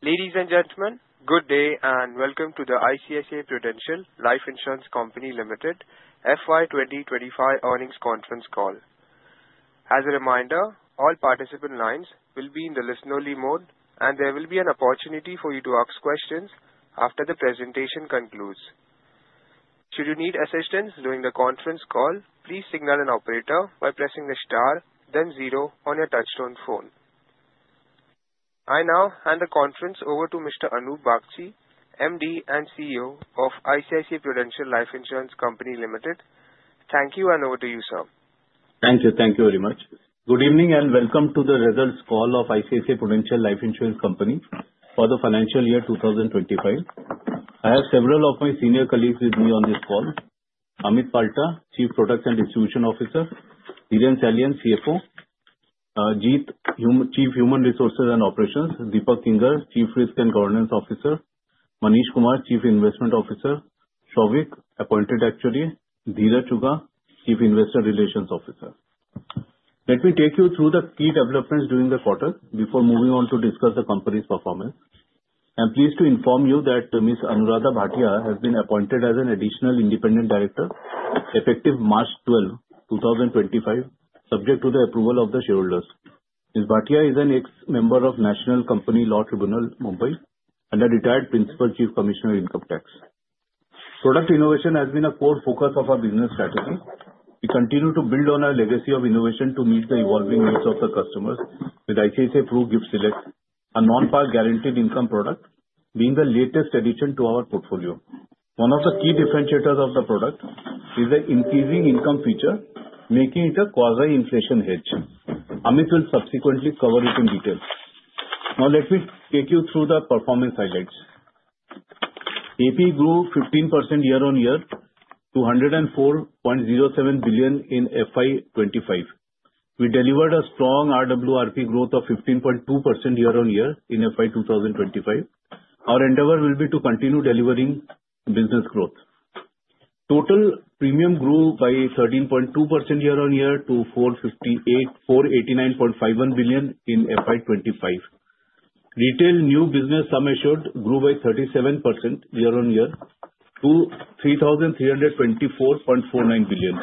Ladies and gentlemen, good day and welcome to the ICICI Prudential Life Insurance Company Limited FY 2025 earnings conference call. As a reminder, all participant lines will be in the listen-only mode, and there will be an opportunity for you to ask questions after the presentation concludes. Should you need assistance during the conference call, please signal an operator by pressing the star, then zero on your touch-tone phone. I now hand the conference over to Mr. Anup Bagchi, MD and CEO of ICICI Prudential Life Insurance Company Limited. Thank you, and over to you, sir. Thank you. Thank you very much. Good evening and welcome to the results call of ICICI Prudential Life Insurance Company for the financial year 2025. I have several of my senior colleagues with me on this call: Amit Palta, Chief Product and Distribution Officer; Dhiren Salian, CFO; Jitendra, Chief Human Resources and Operations; Deepak Kinger, Chief Risk and Governance Officer; Manish Kumar, Chief Investment Officer; Shovik, Appointed Actuary; Dhiraj Chugha, Chief Investor Relations Officer. Let me take you through the key developments during the quarter before moving on to discuss the company's performance. I am pleased to inform you that Ms. Anuradha Bhatia has been appointed as an Additional Independent Director, effective March 12, 2025, subject to the approval of the shareholders. Ms. Bhatia is an ex-member of National Company Law Tribunal, Mumbai, and a retired Principal Chief Commissioner of Income Tax. Product innovation has been a core focus of our business strategy. We continue to build on our legacy of innovation to meet the evolving needs of the customers with ICICI Pru Gift Select, a non-par guaranteed income product being the latest addition to our portfolio. One of the key differentiators of the product is the increasing income feature, making it a quasi-inflation hedge. Amit will subsequently cover it in detail. Now, let me take you through the performance highlights. AP grew 15% year-on-year to 104.07 billion in FY 2025. We delivered a strong RWRP growth of 15.2% year-on-year in FY 2025. Our endeavor will be to continue delivering business growth. Total premium grew by 13.2% year-on-year to 489.51 billion in FY 2025. Retail new business sum assured grew by 37% year-on-year to INR 3,324.49 billion.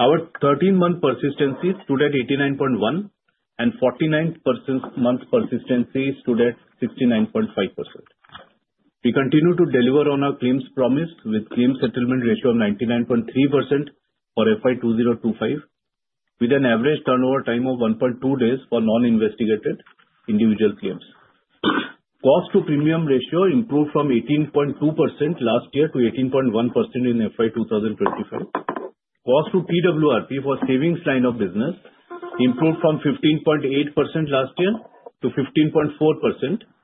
Our 13-month persistency stood at 89.1%, and 49-month persistency stood at 69.5%. We continue to deliver on our claims promise with claim settlement ratio of 99.3% for FY 2025, with an average turnaround time of 1.2 days for non-investigated individual claims. Cost-to-premium ratio improved from 18.2% last year to 18.1% in FY 2025. Cost-to-RWRP for savings line of business improved from 15.8% last year to 15.4%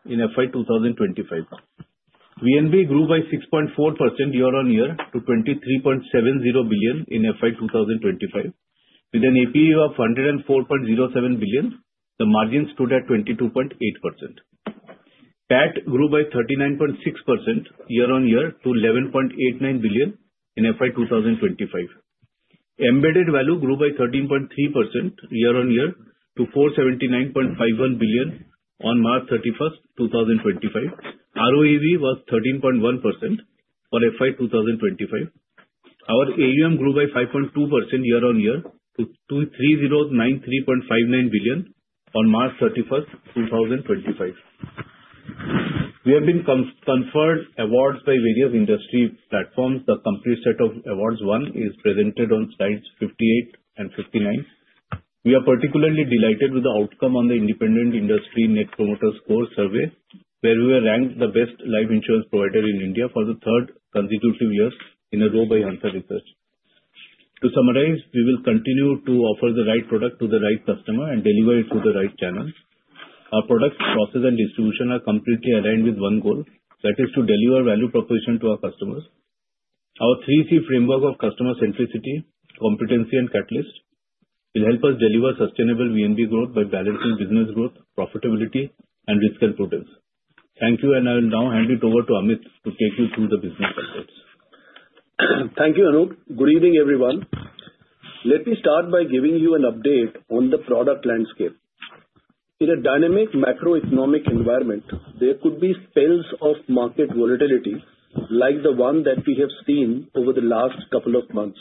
in FY 2025. VNB grew by 6.4% year-on-year to 23.70 billion in FY 2025. With an APE of 104.07 billion, the margin stood at 22.8%. PAT grew by 39.6% year-on-year to 11.89 billion in FY 2025. Embedded value grew by 13.3% year-on-year to INR 479.51 billion on March 31st, 2025. ROEV was 13.1% for FY 2025. Our AUM grew by 5.2% year-on-year to 3,093.59 billion on March 31st, 2025. We have been conferred awards by various industry platforms. The complete set of awards is presented on slides 58 and 59. We are particularly delighted with the outcome on the Independent Industry Net Promoter Score Survey, where we were ranked the best life insurance provider in India for the third consecutive year in a row by Answer Research. To summarize, we will continue to offer the right product to the right customer and deliver it through the right channel. Our product process and distribution are completely aligned with one goal, that is to deliver value proposition to our customers. Our 3C framework of customer centricity, competency, and catalyst will help us deliver sustainable VNB growth by balancing business growth, profitability, and risk and prudence. Thank you, and I will now hand it over to Amit to take you through the business concepts. Thank you, Anup. Good evening, everyone. Let me start by giving you an update on the product landscape. In a dynamic macroeconomic environment, there could be spells of market volatility like the one that we have seen over the last couple of months.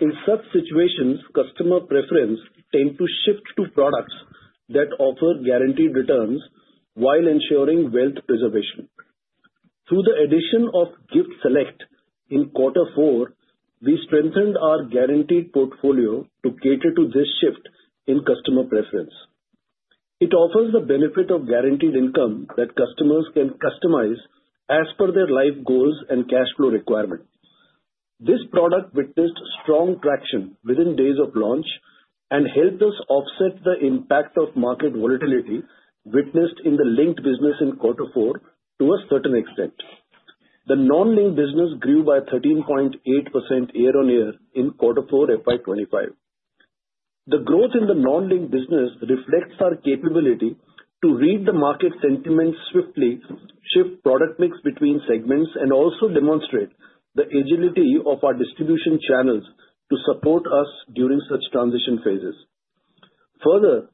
In such situations, customer preferences tend to shift to products that offer guaranteed returns while ensuring wealth preservation. Through the addition of Gift Select in Q4, we strengthened our guaranteed portfolio to cater to this shift in customer preference. It offers the benefit of guaranteed income that customers can customize as per their life goals and cash flow requirement. This product witnessed strong traction within days of launch and helped us offset the impact of market volatility witnessed in the linked business in Q4 to a certain extent. The non-linked business grew by 13.8% year-on-year in Q4 FY 2025. The growth in the non-linked business reflects our capability to read the market sentiment swiftly, shift product mix between segments, and also demonstrate the agility of our distribution channels to support us during such transition phases. Further,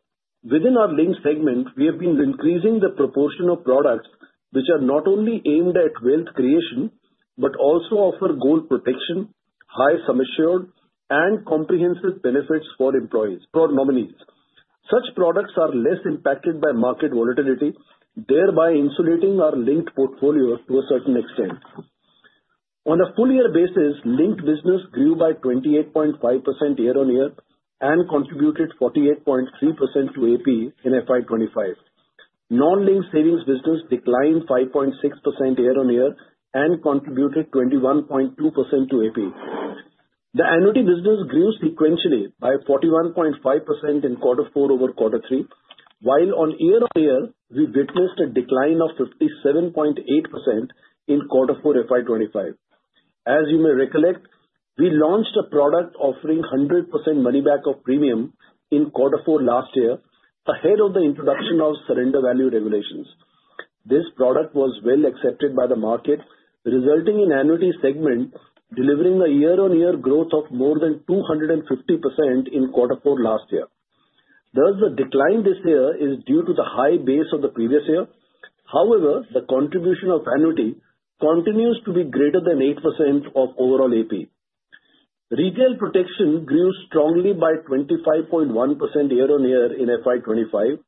within our linked segment, we have been increasing the proportion of products which are not only aimed at wealth creation but also offer goal protection, high sum assured, and comprehensive benefits for nominees. Such products are less impacted by market volatility, thereby insulating our linked portfolio to a certain extent. On a full-year basis, linked business grew by 28.5% year-on-year and contributed 48.3% to AP in FY 2025. Non-linked savings business declined 5.6% year-on-year and contributed 21.2% to AP. The annuity business grew sequentially by 41.5% in Q4 over Q3, while on year-on-year, we witnessed a decline of 57.8% in Q4 FY 2025. As you may recollect, we launched a product offering 100% money-back of premium in Q4 last year ahead of the introduction of surrender value regulations. This product was well accepted by the market, resulting in the annuity segment delivering a year-on-year growth of more than 250% in Q4 last year. Thus, the decline this year is due to the high base of the previous year. However, the contribution of annuity continues to be greater than 8% of overall AP. Retail protection grew strongly by 25.1% year-on-year in FY 2025.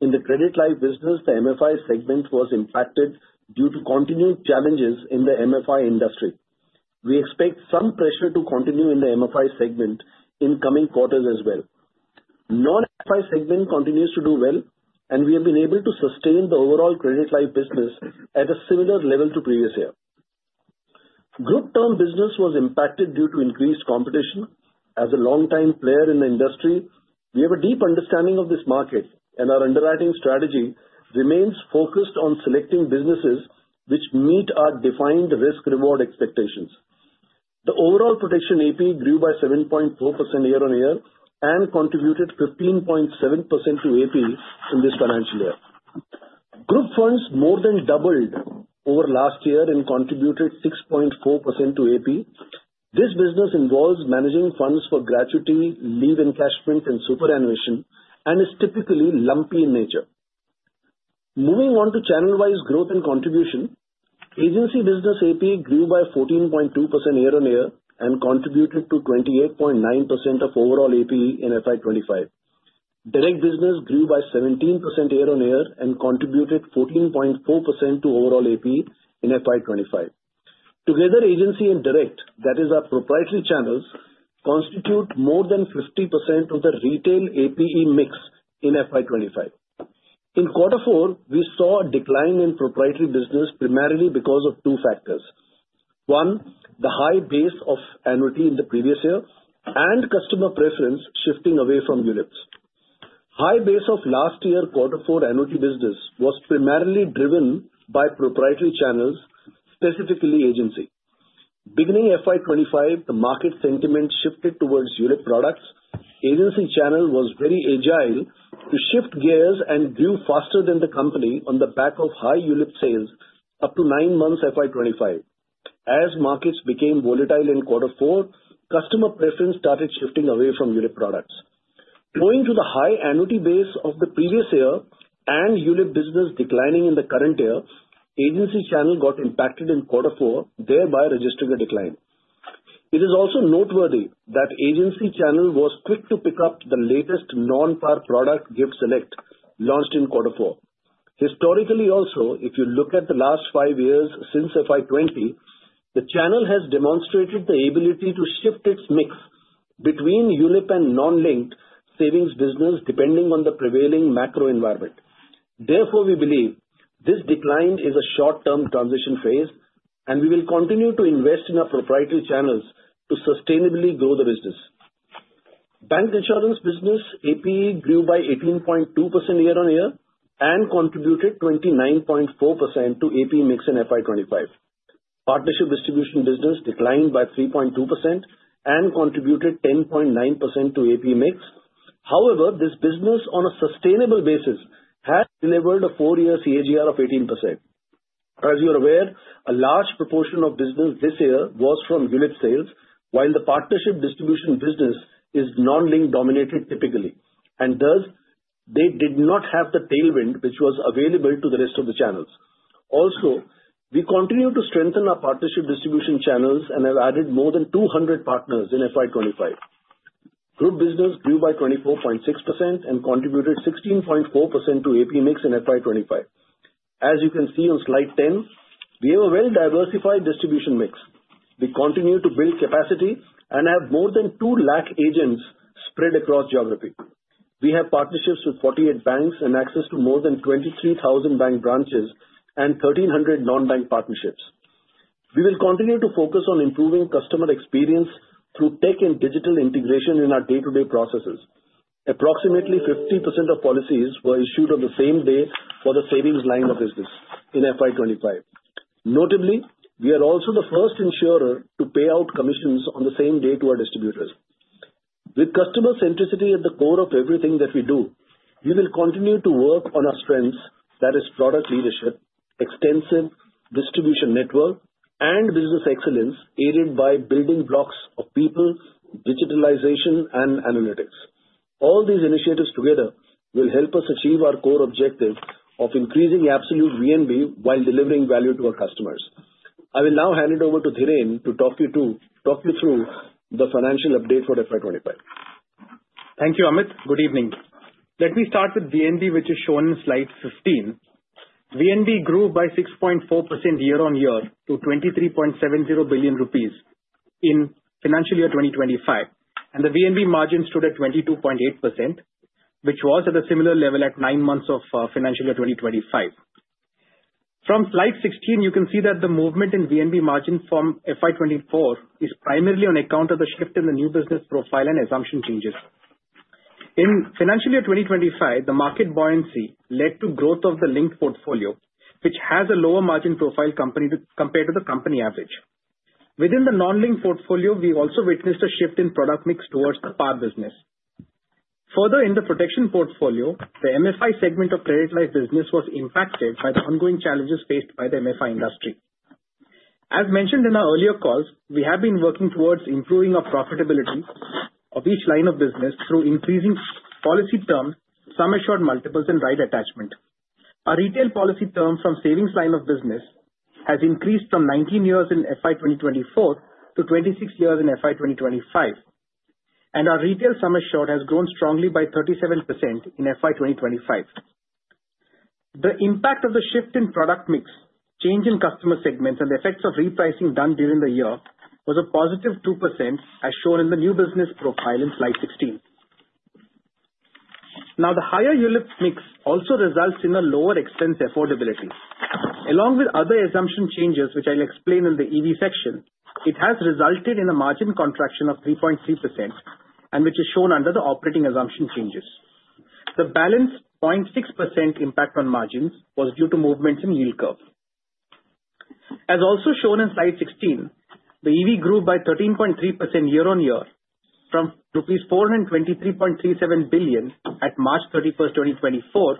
In the credit life business, the MFI segment was impacted due to continued challenges in the MFI industry. We expect some pressure to continue in the MFI segment in coming quarters as well. Non-FI segment continues to do well, and we have been able to sustain the overall credit life business at a similar level to the previous year. Group term business was impacted due to increased competition. As a long-time player in the industry, we have a deep understanding of this market, and our underwriting strategy remains focused on selecting businesses which meet our defined risk-reward expectations. The overall protection AP grew by 7.4% year-on-year and contributed 15.7% to AP in this financial year. Group funds more than doubled over last year and contributed 6.4% to AP. This business involves managing funds for gratuity, leave encashment, and superannuation, and is typically lumpy in nature. Moving on to channel-wise growth and contribution, agency business AP grew by 14.2% year-on-year and contributed to 28.9% of overall AP in FY 2025. Direct business grew by 17% year-on-year and contributed 14.4% to overall AP in FY 2025. Together, agency and direct, that is, our proprietary channels, constitute more than 50% of the retail AP mix in FY 2025. In Q4, we saw a decline in proprietary business primarily because of two factors: one, the high base of annuity in the previous year, and customer preference shifting away from ULIPs. High base of last year's Q4 annuity business was primarily driven by proprietary channels, specifically agency. Beginning FY 2025, the market sentiment shifted towards ULIP products. Agency channel was very agile to shift gears and grew faster than the company on the back of high ULIP sales up to nine months FY 2025. As markets became volatile in Q4, customer preference started shifting away from ULIP products. Going to the high annuity base of the previous year and ULIP business declining in the current year, agency channel got impacted in Q4, thereby registering a decline. It is also noteworthy that agency channel was quick to pick up the latest non-par product, Gift Select, launched in Q4. Historically, also, if you look at the last five years since FY 2020, the channel has demonstrated the ability to shift its mix between ULIP and non-linked savings business depending on the prevailing macro environment. Therefore, we believe this decline is a short-term transition phase, and we will continue to invest in our proprietary channels to sustainably grow the business. Bancassurance business AP grew by 18.2% year-on-year and contributed 29.4% to AP mix in FY 2025. Partnership distribution business declined by 3.2% and contributed 10.9% to AP mix. However, this business on a sustainable basis has delivered a four-year CAGR of 18%. As you are aware, a large proportion of business this year was from ULIP sales, while the partnership distribution business is non-linked dominated typically. Thus, they did not have the tailwind which was available to the rest of the channels. Also, we continue to strengthen our partnership distribution channels and have added more than 200 partners in FY 2025. Group business grew by 24.6% and contributed 16.4% to AP mix in FY 2025. As you can see on slide 10, we have a well-diversified distribution mix. We continue to build capacity and have more than 200,000 agents spread across geography. We have partnerships with 48 banks and access to more than 23,000 bank branches and 1,300 non-bank partnerships. We will continue to focus on improving customer experience through tech and digital integration in our day-to-day processes. Approximately 50% of policies were issued on the same day for the savings line of business in FY 2025. Notably, we are also the first insurer to pay out commissions on the same day to our distributors. With customer centricity at the core of everything that we do, we will continue to work on our strengths, that is, product leadership, extensive distribution network, and business excellence aided by building blocks of people, digitalization, and analytics. All these initiatives together will help us achieve our core objective of increasing absolute VNB while delivering value to our customers. I will now hand it over to Dhiren to talk you through the financial update for FY 2025. Thank you, Amit. Good evening. Let me start with VNB, which is shown in slide 15. VNB grew by 6.4% year-on-year to 23.70 billion rupees in financial year 2025. The VNB margin stood at 22.8%, which was at a similar level at nine months of financial year 2025. From slide 16, you can see that the movement in VNB margin from FY 2024 is primarily on account of the shift in the new business profile and assumption changes. In financial year 2025, the market buoyancy led to growth of the linked portfolio, which has a lower margin profile compared to the company average. Within the non-linked portfolio, we also witnessed a shift in product mix towards the PAR business. Further, in the protection portfolio, the MFI segment of credit life business was impacted by the ongoing challenges faced by the MFI industry. As mentioned in our earlier calls, we have been working towards improving our profitability of each line of business through increasing policy terms, sum assured multiples, and right attachment. Our retail policy term from savings line of business has increased from 19 years in FY 2024 to 26 years in FY 2025. Our retail sum assured has grown strongly by 37% in FY 2025. The impact of the shift in product mix, change in customer segments, and the effects of repricing done during the year was a positive 2%, as shown in the new business profile in slide 16. Now, the higher ULIP mix also results in a lower expense affordability. Along with other assumption changes, which I'll explain in the EV section, it has resulted in a margin contraction of 3.3%, which is shown under the operating assumption changes. The balanced 0.6% impact on margins was due to movements in yield curve. As also shown in slide 16, the EV grew by 13.3% year-on-year from rupees 423.37 billion at March 31st, 2024,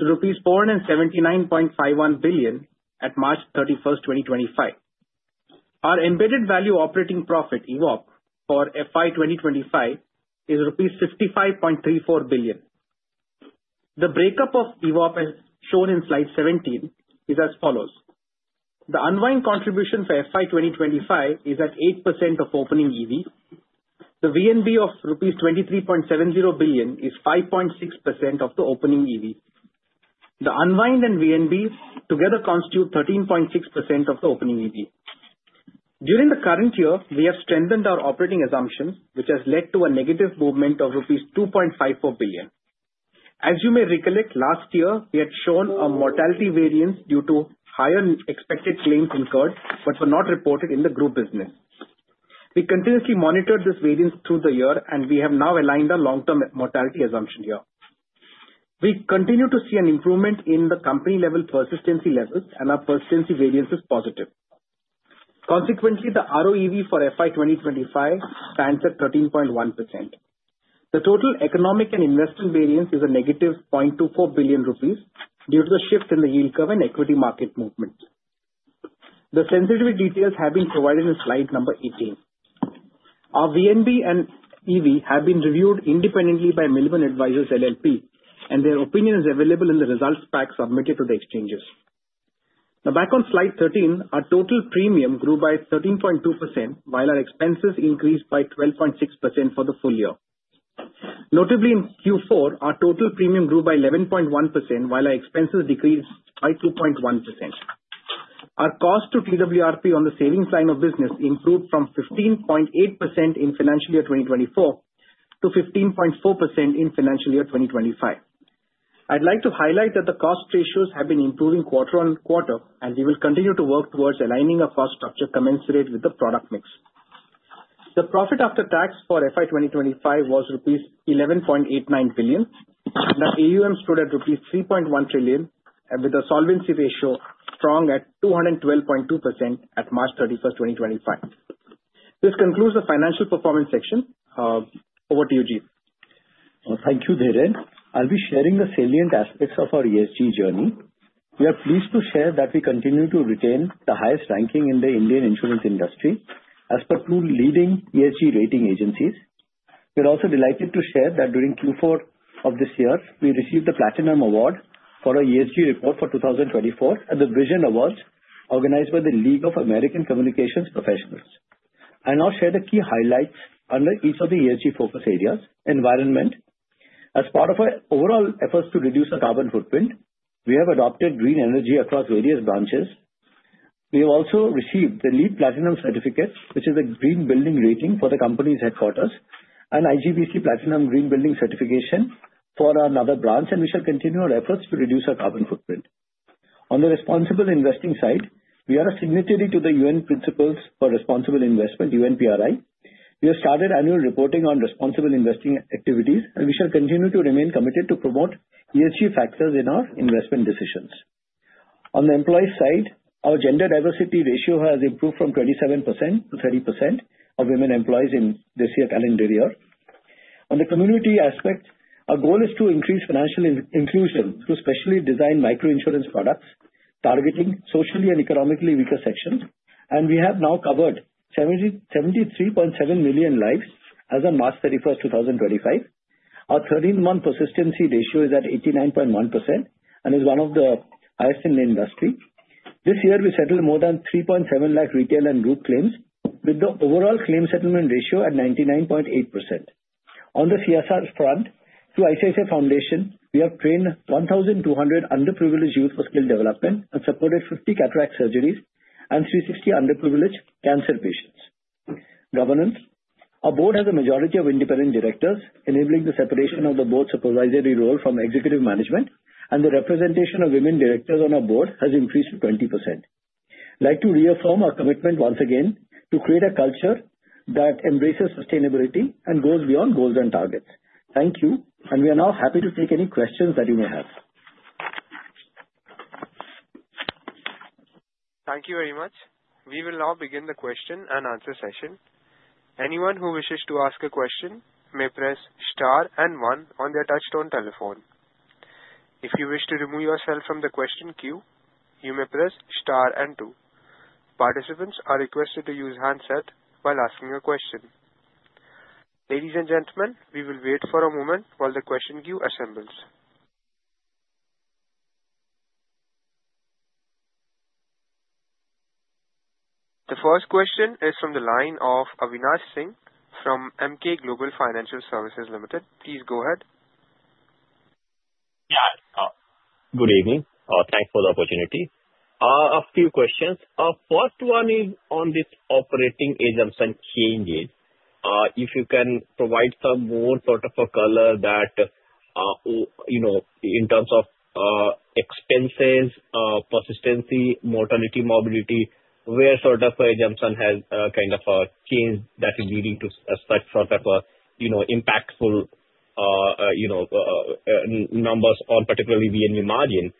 to rupees 479.51 billion at March 31, 2025. Our embedded value operating profit, EVOP, for FY 2025 is 55.34 billion. The breakup of EVOP, as shown in slide 17, is as follows. The unwind contribution for FY 2025 is at 8% of opening EV. The VNV of rupees 23.70 billion is 5.6% of the opening EV. The unwind and VNV together constitute 13.6% of the opening EV. During the current year, we have strengthened our operating assumption, which has led to a negative movement of rupees 2.54 billion. As you may recollect, last year, we had shown a mortality variance due to higher expected claims incurred but were not reported in the group business. We continuously monitored this variance through the year, and we have now aligned our long-term mortality assumption here. We continue to see an improvement in the company-level persistency levels, and our persistency variance is positive. Consequently, the ROEV for FY 2025 stands at 13.1%. The total economic and investment variance is a -0.24 billion rupees due to the shift in the yield curve and equity market movement. The sensitivity details have been provided in slide number 18. Our VNB and EV have been reviewed independently by Milliman Advisors LLP, and their opinion is available in the results pack submitted to the exchanges. Now, back on slide 13, our total premium grew by 13.2%, while our expenses increased by 12.6% for the full year. Notably, in Q4, our total premium grew by 11.1%, while our expenses decreased by 2.1%. Our cost to RWRP on the savings line of business improved from 15.8% in financial year 2024 to 15.4% in financial year 2025. I'd like to highlight that the cost ratios have been improving quarter on quarter, and we will continue to work towards aligning a cost structure commensurate with the product mix. The profit after tax for FY 2025 was rupees 11.89 billion. The AUM stood at rupees 3.1 trillion, with a solvency ratio strong at 212.2% at March 31, 2025. This concludes the financial performance section. Over to you, Jitendra. Thank you, Dhiren. I'll be sharing the salient aspects of our ESG journey. We are pleased to share that we continue to retain the highest ranking in the Indian insurance industry as per two leading ESG rating agencies. We're also delighted to share that during Q4 of this year, we received the Platinum Award for our ESG report for 2024 at t he Vision Awards organized by the League of American Communications Professionals. I'll now share the key highlights under each of the ESG focus areas. Environment. As part of our overall efforts to reduce our carbon footprint, we have adopted green energy across various branches. We have also received the LEED Platinum Certificate, which is a green building rating for the company's headquarters, and IGBC Platinum Green Building Certification for another branch, and we shall continue our efforts to reduce our carbon footprint. On the responsible investing side, we are a signatory to the UN Principles for Responsible Investment, UNPRI. We have started annual reporting on responsible investing activities, and we shall continue to remain committed to promote ESG factors in our investment decisions. On the employee side, our gender diversity ratio has improved from 27%-30% of women employees in this year's calendar year. On the community aspect, our goal is to increase financial inclusion through specially designed micro-insurance products targeting socially and economically weaker sections. We have now covered 73.7 million lives as of March 31st, 2025. Our 13-month persistency ratio is at 89.1% and is one of the highest in the industry. This year, we settled more than 370,000 retail and group claims, with the overall claim settlement ratio at 99.8%. On the CSR front, through ICICI Foundation, we have trained 1,200 underprivileged youth for skill development and supported 50 cataract surgeries and 360 underprivileged cancer patients. Governance. Our board has a majority of independent directors, enabling the separation of the board supervisory role from executive management, and the representation of women directors on our board has increased to 20%. I'd like to reaffirm our commitment once again to create a culture that embraces sustainability and goes beyond goals and targets. Thank you, and we are now happy to take any questions that you may have. Thank you very much. We will now begin the question and answer session. Anyone who wishes to ask a question may press star and one on their touchstone telephone. If you wish to remove yourself from the question queue, you may press star and two. Participants are requested to use handset while asking a question. Ladies and gentlemen, we will wait for a moment while the question queue assembles. The first question is from the line of Avinash Singh from Emkay Global Financial Services Limited. Please go ahead. Yeah. Good evening. Thanks for the opportunity. A few questions. First one is on this operating exemption changes. If you can provide some more sort of a color that in terms of expenses, persistency, mortality, mobility, where sort of an exemption has kind of a change that is leading to such sort of impactful numbers on particularly VNB margin.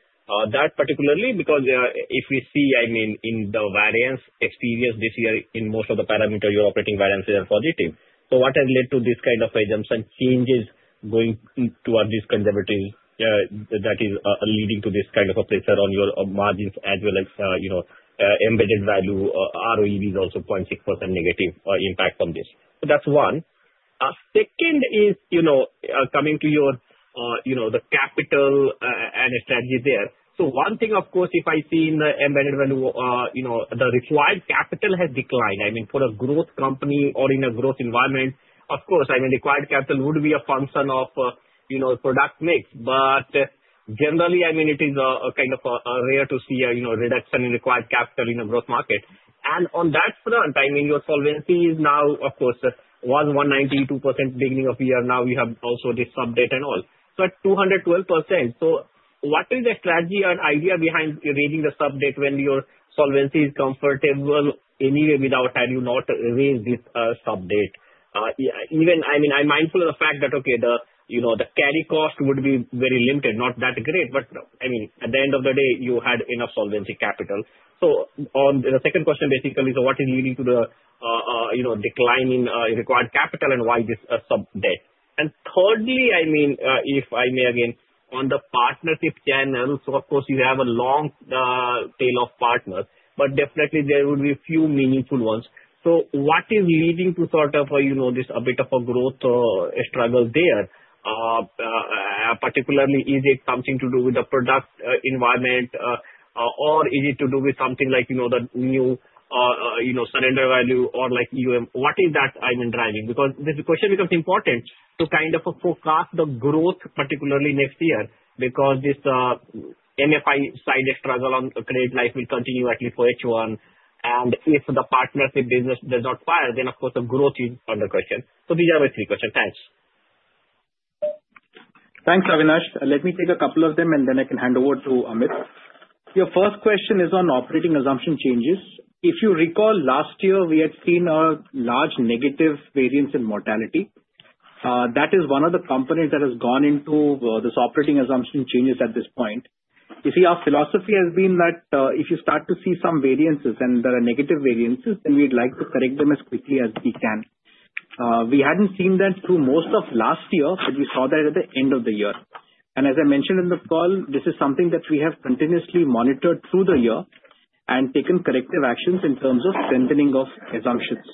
That particularly because if we see, I mean, in the variance experience this year in most of the parameters, your operating variances are positive. What has led to this kind of exemption changes going towards this conservative that is leading to this kind of a pressure on your margins as well as embedded value? ROEV is also 0.6% negative impact from this. That is one. Second is coming to your capital and strategy there. One thing, of course, if I see in the embedded value, the required capital has declined. I mean, for a growth company or in a growth environment, of course, I mean, required capital would be a function of product mix. Generally, I mean, it is kind of rare to see a reduction in required capital in a growth market. On that front, I mean, your solvency is now, of course, was 192% beginning of the year. Now we have also this sub-debt and all. At 212%. What is the strategy and idea behind raising the sub-debt when your solvency is comfortable anyway without having not raised this sub-debt? I mean, I'm mindful of the fact that, okay, the carry cost would be very limited, not that great. At the end of the day, you had enough solvency capital. The second question basically is what is leading to the decline in required capital and why this sub-debt? Thirdly, I mean, if I may again, on the partnership channel, you have a long tail of partners, but definitely there would be a few meaningful ones. What is leading to sort of this a bit of a growth struggle there? Particularly, is it something to do with the product environment, or is it to do with something like the new surrender value or like AUM? What is that, I mean, driving? Because this question becomes important to kind of forecast the growth, particularly next year, because this MFI-sided struggle on credit life will continue at least for H1. If the partnership business does not fire, then of course, the growth is under question. These are my three questions. Thanks. Thanks, Avnish. Let me take a couple of them, and then I can hand over to Amit. Your first question is on operating assumption changes. If you recall, last year, we had seen a large negative variance in mortality. That is one of the components that has gone into this operating assumption changes at this point. You see, our philosophy has been that if you start to see some variances and there are negative variances, then we'd like to correct them as quickly as we can. We hadn't seen that through most of last year, but we saw that at the end of the year. As I mentioned in the call, this is something that we have continuously monitored through the year and taken corrective actions in terms of strengthening of assumptions.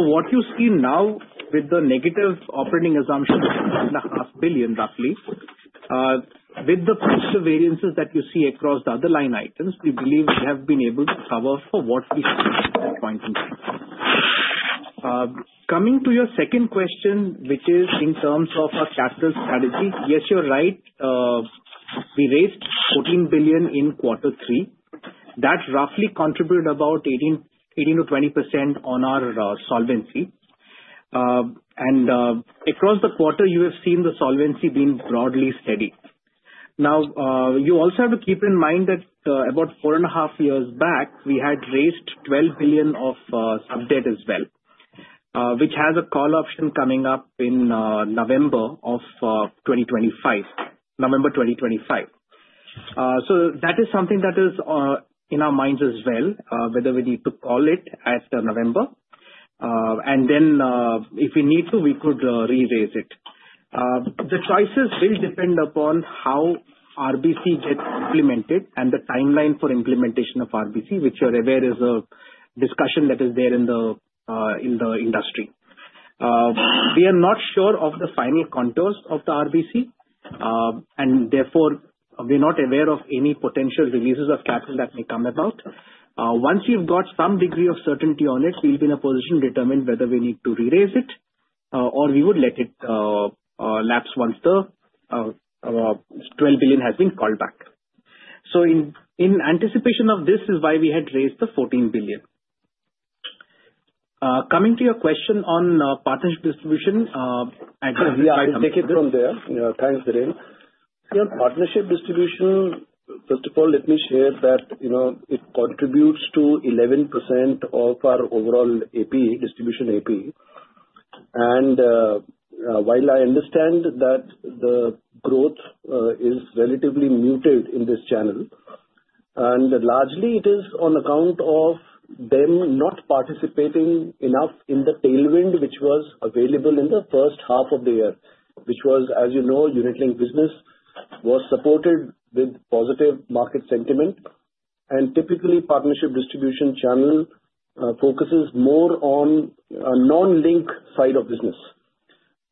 What you see now with the negative operating assumption of 1.5 billion, roughly, with the positive variances that you see across the other line items, we believe we have been able to cover for what we see at this point in time. Coming to your second question, which is in terms of our capital strategy, yes, you're right. We raised 14 billion in quarter three. That roughly contributed about 18-20% on our solvency. Across the quarter, you have seen the solvency being broadly steady. You also have to keep in mind that about four and a half years back, we had raised 12 billion of sub-debt as well, which has a call option coming up in November 2025, November 2025. That is something that is in our minds as well, whether we need to call it at November. If we need to, we could re-raise it. The choices will depend upon how RBC gets implemented and the timeline for implementation of RBC, which you're aware is a discussion that is there in the industry. We are not sure of the final contours of the RBC, and therefore, we're not aware of any potential releases of capital that may come about. Once we've got some degree of certainty on it, we'll be in a position to determine whether we need to re-raise it or we would let it lapse once the 12 billion has been called back. In anticipation of this is why we had raised the 14 billion. Coming to your question on partnership distribution, I guess we are taking it from there. Thanks, Dhiren. Partnership distribution, first of all, let me share that it contributes to 11% of our overall AP, distribution AP. While I understand that the growth is relatively muted in this channel, and largely it is on account of them not participating enough in the tailwind which was available in the first half of the year, which was, as you know, unit-linked business was supported with positive market sentiment. Typically, partnership distribution channel focuses more on a non-link side of business.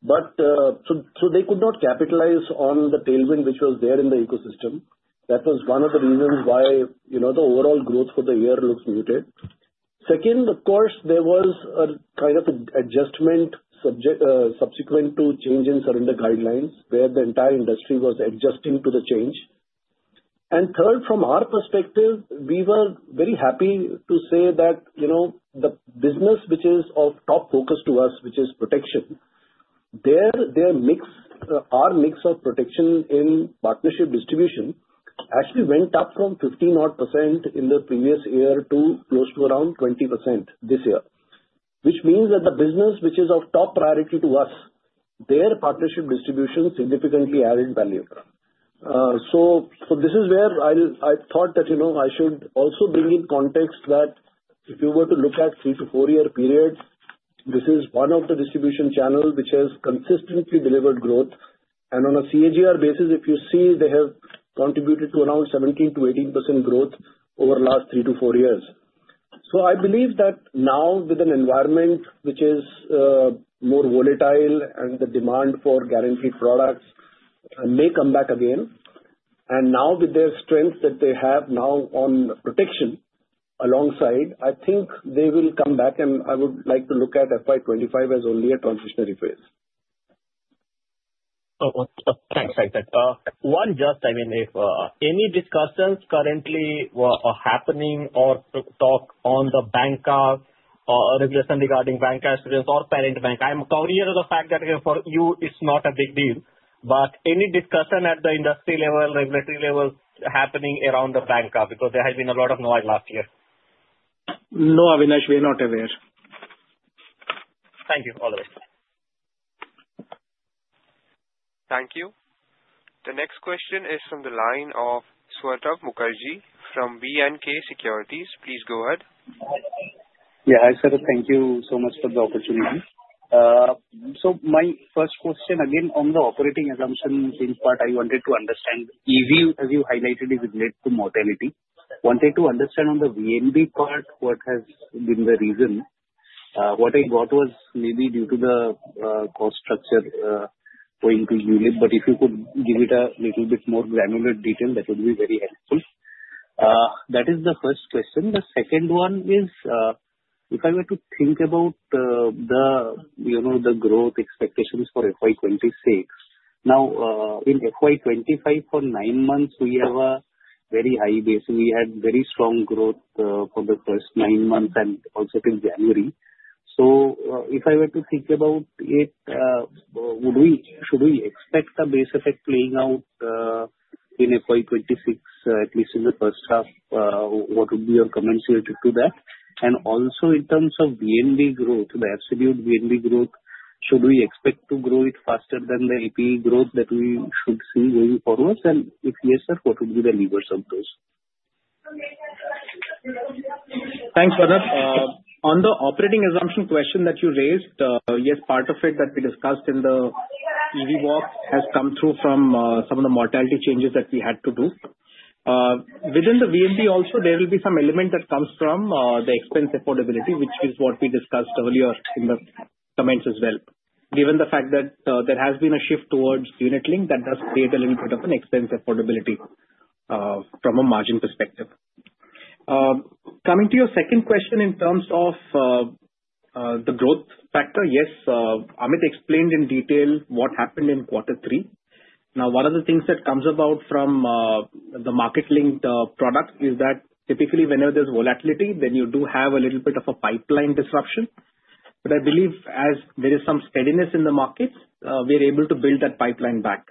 They could not capitalize on the tailwind which was there in the ecosystem. That was one of the reasons why the overall growth for the year looks muted. Second, of course, there was a kind of adjustment subsequent to change in surrender guidelines where the entire industry was adjusting to the change. Third, from our perspective, we were very happy to say that the business which is of top focus to us, which is protection, their mix of protection in partnership distribution actually went up from 15-odd % in the previous year to close to around 20% this year, which means that the business which is of top priority to us, their partnership distribution significantly added value. This is where I thought that I should also bring in context that if you were to look at a three to four-year period, this is one of the distribution channels which has consistently delivered growth. On a CAGR basis, if you see, they have contributed to around 17%-18% growth over the last three to four years. I believe that now with an environment which is more volatile and the demand for guaranteed products may come back again. Now with their strength that they have now on protection alongside, I think they will come back, and I would like to look at FY 2025 as only a transitionary phase. Thanks. Thanks. Thanks. One just, I mean, if any discussions currently are happening or talk on the bank or regulation regarding bank cash or parent bank, I'm cognizant of the fact that for you, it's not a big deal. But any discussion at the industry level, regulatory level happening around the bank because there has been a lot of noise last year? No, Avnish, we are not aware. Thank you. All the best. Thank you. The next question is from the line of Swarnabha Mukherjee from B&K Securities. Please go ahead. Yeah. Hi, Swarthav. Thank you so much for the opportunity. My first question, again, on the operating assumption change part, I wanted to understand. EV, as you highlighted, is related to mortality. Wanted to understand on the VNB part, what has been the reason? What I got was maybe due to the cost structure going to unit. If you could give it a little bit more granular detail, that would be very helpful. That is the first question. The second one is, if I were to think about the growth expectations for FY 2026, now in FY 2025, for nine months, we have a very high base. We had very strong growth for the first nine months and also till January. If I were to think about it, should we expect a base effect playing out in FY 2026, at least in the first half? What would be your comments here to that? Also, in terms of VNB growth, the absolute VNB growth, should we expect to grow it faster than the APE growth that we should see going forward? If yes, sir, what wo uld be the levers of those? Thanks, Swarnabha. On the operating assumption question that you raised, yes, part of it that we discussed in the EV walk has come through from some of the mortality changes that we had to do. Within the VNB also, there will be some element that comes from the expense affordability, which is what we discussed earlier in the comments as well. Given the fact that there has been a shift towards unit-link, that does create a little bit of an expense affordability from a margin perspective. Coming to your second question in terms of the growth factor, yes, Amit explained in detail what happened in quarter three. Now, one of the things that comes about from the market-linked product is that typically whenever there's volatility, then you do have a little bit of a pipeline disruption. I believe as there is some steadiness in the market, we are able to build that pipeline back.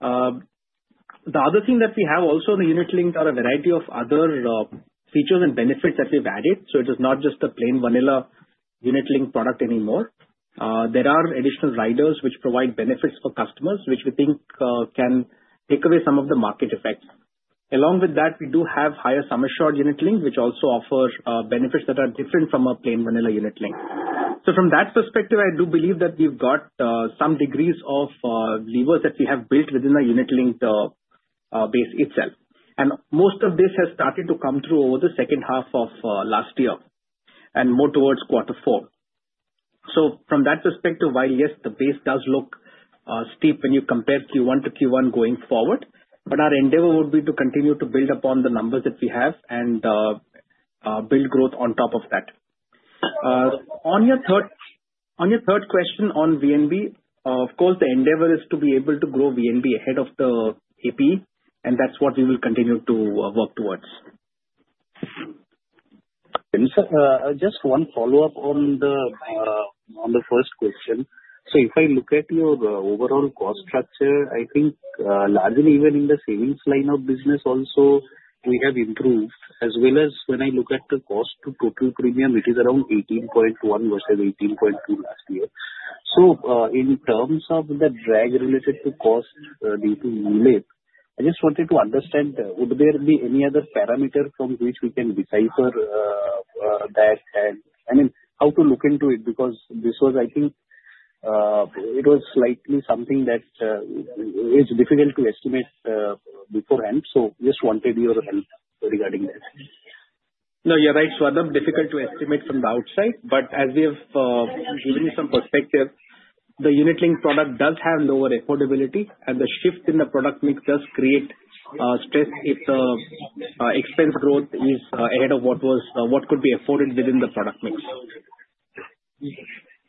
The other thing that we have also in the unit-linked are a variety of other features and benefits that we've added. It is not just the plain vanilla unit-linked product anymore. There are additional riders which provide benefits for customers, which we think can take away some of the market effects. Along with that, we do have higher sum assured unit-linked, which also offers benefits that are different from a plain vanilla unit-linked. From that perspective, I do believe that we've got some degrees of levers that we have built within the unit-linked base itself. Most of this has started to come through over the second half of last year and more towards quarter four. From that perspective, while yes, the base does look steep when you compare Q1-Q1 going forward, our endeavor would be to continue to build upon the numbers that we have and build growth on top of that. On your third question on VNB, of course, the endeavor is to be able to grow VNB ahead of the APE, and that's what we will continue to work towards. Just one follow-up on the first question. If I look at your overall cost structure, I think largely even in the savings line of business also, we have improved. As well as when I look at the cost to total premium, it is around 18.1% versus 18.2% last year. In terms of the drag related to cost due to unit, I just wanted to understand, would there be any other parameter from which we can decipher that? I mean, how to look into it? Because this was, I think, it was slightly something that is difficult to estimate beforehand. Just wanted your help regarding that. No, you're right, Swarnabha. Difficult to estimate from the outside. As we have given you some perspective, the unit-linked product does have lower affordability, and the shift in the product mix does create stress if the expense growth is ahead of what could be afforded within the product mix.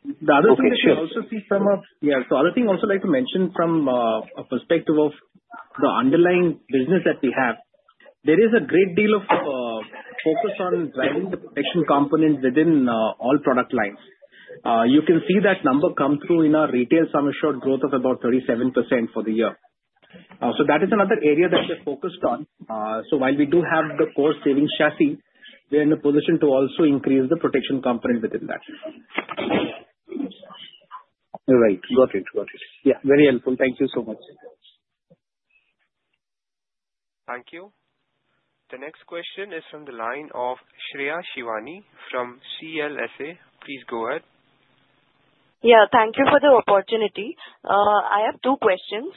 The other thing that we also see from a—yeah. The other thing I would also like to mention from a perspective of the underlying business that we have, there is a great deal of focus on driving the protection component within all product lines. You can see that number come through in our retail sum assured growth of about 37% for the year. That is another area that we're focused on. While we do have the core savings chassis, we're in a position to also increase the protection component within that. You're right. Got it. Got it. Yeah. Very helpful. Thank you so much. Thank you. The next question is from the line of Shreya Shivani from CLSA. Please go ahead. Yeah. Thank you for the opportunity. I have two questions.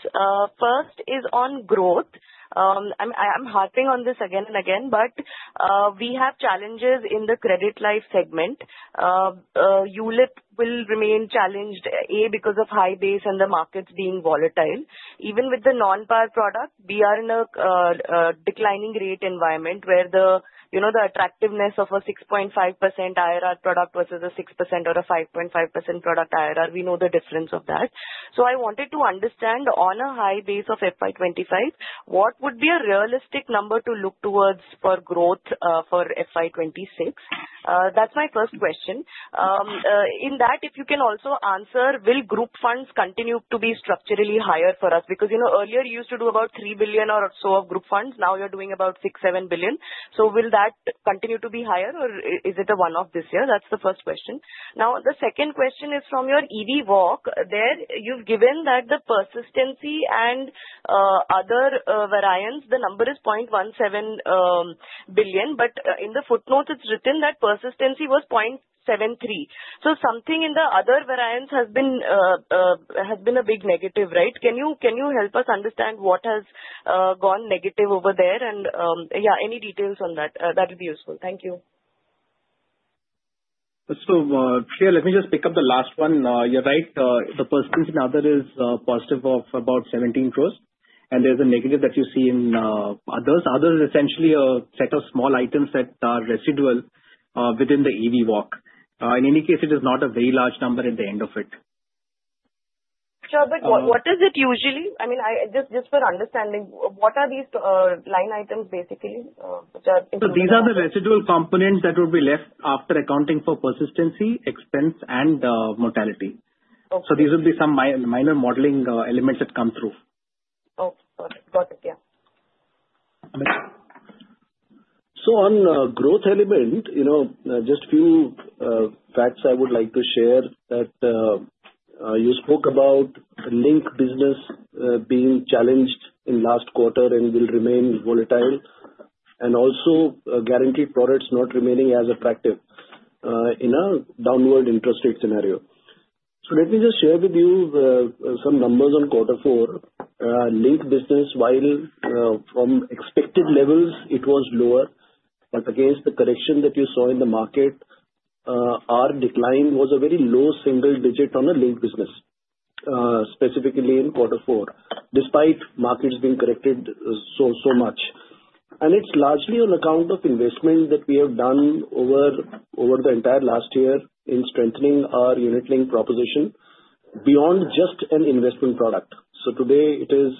First is on growth. I'm harping on this again and again, but we have challenges in the credit life segment. ULIP will remain challenged, A, because of high base and the markets being volatile. Even with the non-par product, we are in a declining rate environment where the attractiveness of a 6.5% IRR product versus a 6% or a 5.5% product IRR, we know the difference of that. I wanted to understand on a high base of FY 2025, what would be a realistic number to look towards for growth for FY 2026? That's my first question. In that, if you can also answer, will group funds continue to be structurally higher for us? Because earlier, you used to do about 3 billion or so of group funds. Now you're doing about 6 billion-7 billion. Will that continue to be higher, or is it a one-off this year? That's the first question. The second question is from your EV walk. There you've given that the persistency and other variance, the number is 0.17 billion. But in the footnotes, it's written that persistency was 0.73 billion. Something in the other variance has been a big negative, right? Can you help us understand what has gone negative over there? Any details on that would be useful. Thank you. Here, let me just pick up the last one. You're right. The persistency now, there is positive of about 170 million. And there's a negative that you see in others. Others is essentially a set of small items that are residual within the EV walk. In any case, it is not a very large number at the end of it. Salian, what is it usually? I mean, just for understanding, what are these line items basically? These are the residual components that will be left after accounting for persistency, expense, and mortality. These will be some minor modeling elements that come through. Okay. Got it. Got it. Yeah. On the growth element, just a few facts I would like to share that you spoke about linked business being challenged in last quarter and will remain volatile and also guaranteed products not remaining as attractive in a downward interest rate scenario. Let me just share with you some numbers on quarter four. Linked business, while from expected levels, it was lower. Against the correction that you saw in the market, our decline was a very low single digit on a linked business, specifically in quarter four, despite markets being corrected so much. It is largely on account of investment that we have done over the entire last year in strengthening our unit-linked proposition beyond just an investment product. Today, it is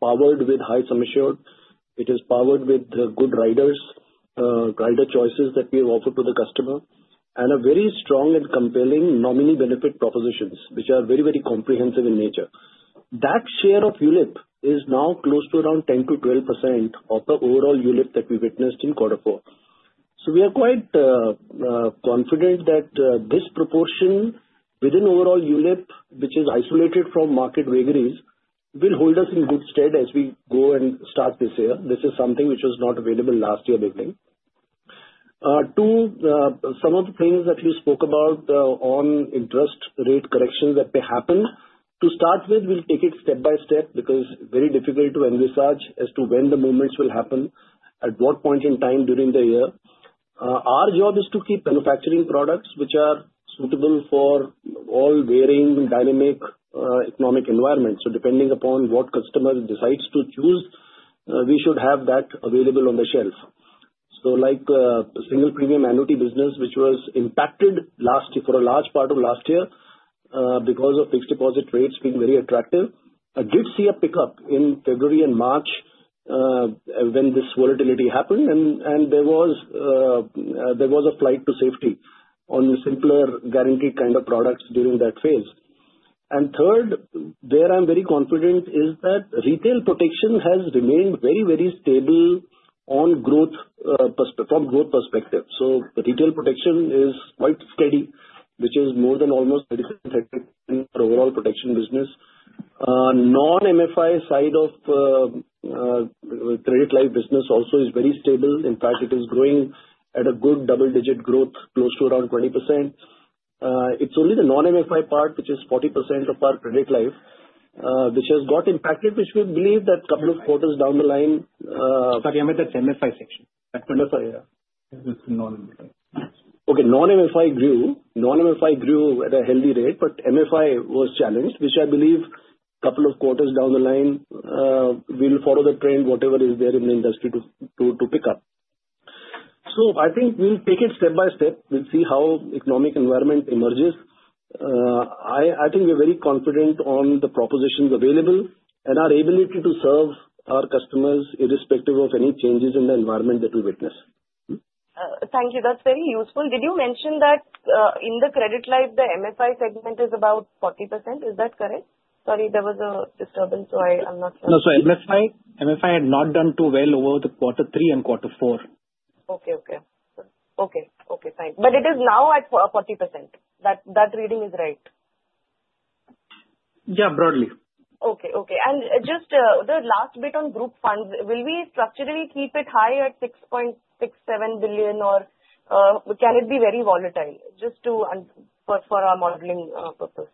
powered with high sum assured. It is powered with good riders, rider choices that we have offered to the customer, and a very strong and compelling nominee benefit propositions, which are very, very comprehensive in nature. That share of ULIP is now close to around 10%-12% of the overall ULIP that we witnessed in quarter four. We are quite confident that this proportion within overall ULIP, which is isolated from market wagons, will hold us in good stead as we go and start this year. This is something which was not available last year building. Two, some of the things that you spoke about on interest rate corrections that may happen. To start with, we'll take it step by step because it's very difficult to envisage as to when the moments will happen, at what point in time during the year. Our job is to keep manufacturing products which are suitable for all varying dynamic economic environments. Depending upon what customer decides to choose, we should have that available on the shelf. Like single premium annuity business, which was impacted for a large part of last year because of fixed deposit rates being very attractive, I did see a pickup in February and March when this volatility happened. There was a flight to safety on simpler guaranteed kind of products during that phase. Third, where I'm very confident is that retail protection has remained very, very stable from growth perspective. The retail protection is quite steady, which is more than almost 30% overall protection business. Non-MFI side of credit life business also is very stable. In fact, it is growing at a good double-digit growth, close to around 20%. It's only the non-MFI part, which is 40% of our credit life, which has got impacted, which we believe that a couple of quarters down the line. Sorry, Amit, that's MFI section. MFI, yeah. Okay. Non-MFI grew. Non-MFI grew at a healthy rate, but MFI was challenged, which I believe a couple of quarters down the line, we'll follow the trend, whatever is there in the industry to pick up. I think we'll take it step by step. We'll see how economic environment emerges. I think we're very confident on the propositions available and our ability to serve our customers irrespective of any changes in the environment that we witness. Thank you. That's very useful. Did you mention that in the credit life, the MFI segment is about 40%? Is that correct? Sorry, there was a disturbance, so I'm not sure. No, sorry. MFI had not done too well over the quarter three and quarter four. Okay. Fine. But it is now at 40%. That reading is right. Yeah, broadly. Okay. And just the last bit on group funds, will we structurally keep it high at 6.67 billion, or can it be very volatile just for our modeling purpose?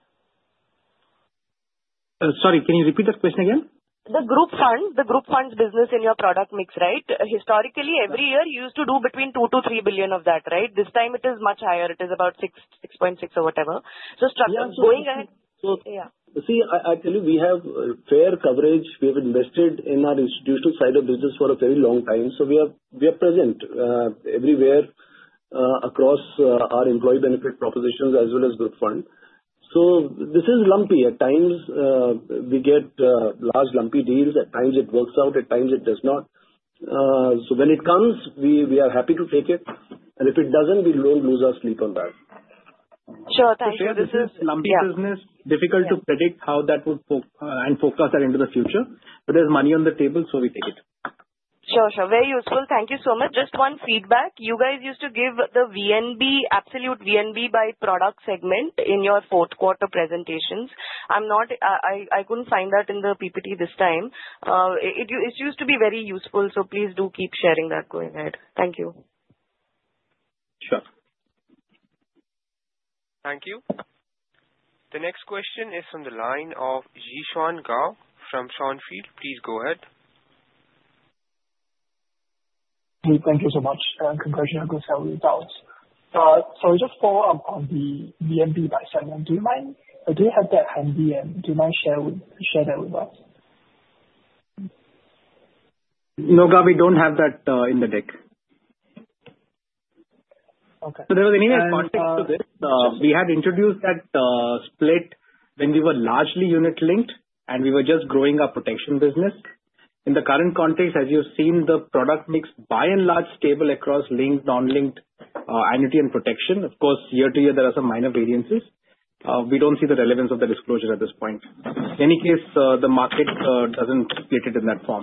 Sorry, can you repeat that question again? The group funds, the group funds business in your product mix, right? Historically, every year, you used to do between 2 billion and 3 billion of that, right? This time, it is much higher. It is about 6.6 billion or whatever. Going ahead. Yeah. See, I tell you, we have fair coverage. We have invested in our institutional side of business for a very long time. We are present everywhere across our employee benefit propositions as well as group fund. This is lumpy. At times, we get large lumpy deals. At times, it works out. At times, it does not. When it comes, we are happy to take it. If it does not, we will not lose our sleep on that. Sure. Thank you. This is lumpy business. Difficult to predict how that would and focus that into the future. There is money on the table, so we take it. Sure. Sure. Very useful. Thank you so much. Just one feedback. You guys used to give the absolute VNB by product segment in your fourth quarter presentations. I could not find that in the PPT this time. It used to be very useful, so please do keep sharing that going ahead. Thank you. Sure. Thank you. The next question is from the line of Zhishan Gao from Sean Field. Please go ahead. Thank you so much. Congratulations on the results. Sorry, just follow up on the VNB by segment. Do you have that handy, and do you mind sharing that with us? No, Gao, we do not have that in the deck. Okay. Was there anything specific to this? We had introduced that split when we were largely unit-linked, and we were just growing our protection business. In the current context, as you have seen, the product mix is by and large stable across linked, non-linked annuity, and protection. Of course, year to year, there are some minor variances. We do not see the relevance of the disclosure at this point. In any case, the market does not split it in that form.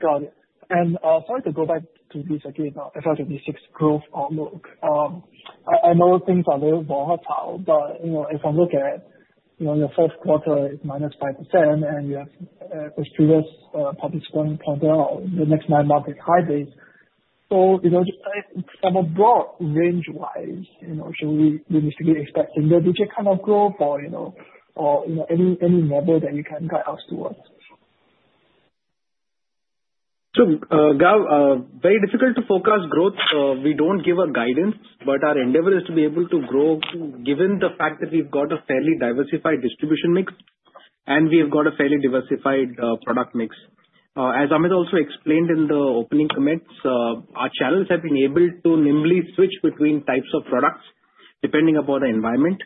Got it. Sorry to go back to the 2026 growth outlook. I know things are very volatile, but if I look at your fourth quarter, it's -5%, and you have the previous public scoring pointed out the next nine-month high base. From a broad range-wise, should we realistically expect single digit kind of growth or any level that you can guide us towards? Gao, very difficult to focus growth. We don't give a guidance, but our endeavor is to be able to grow given the fact that we've got a fairly diversified distribution mix, and we've got a fairly diversified product mix. As Amit also explained in the opening comments, our channels have been able to nimbly switch between types of products depending upon the environment.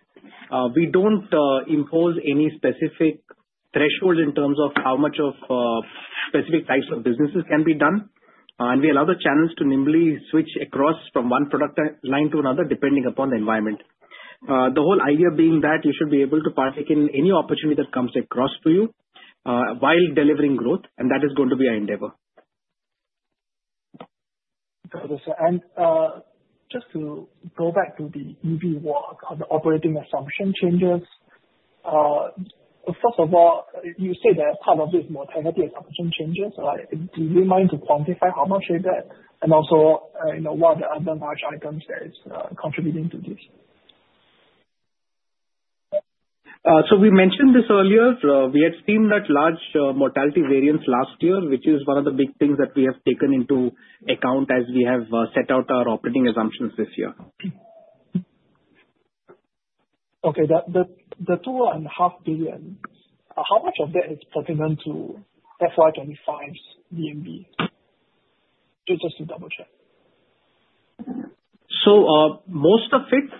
We don't impose any specific thresholds in terms of how much of specific types of businesses can be done. We allow the channels to nimbly switch across from one product line to another depending upon the environment. The whole idea being that you should be able to partake in any opportunity that comes across to you while delivering growth, and that is going to be our endeavor. Got it. Just to go back to the EV walk, the operating assumption changes. First of all, you say that part of it is mortality and assumption changes. Do you mind to quantify how much is that? Also, what are the other large items that are contributing to this? We mentioned this earlier. We had seen that large mortality variance last year, which is one of the big things that we have taken into account as we have set out our operating assumptions this year. Okay. The 2.5 billion, how much of that is pertinent to FY 2025's VNB? Just to double-check. Most of it,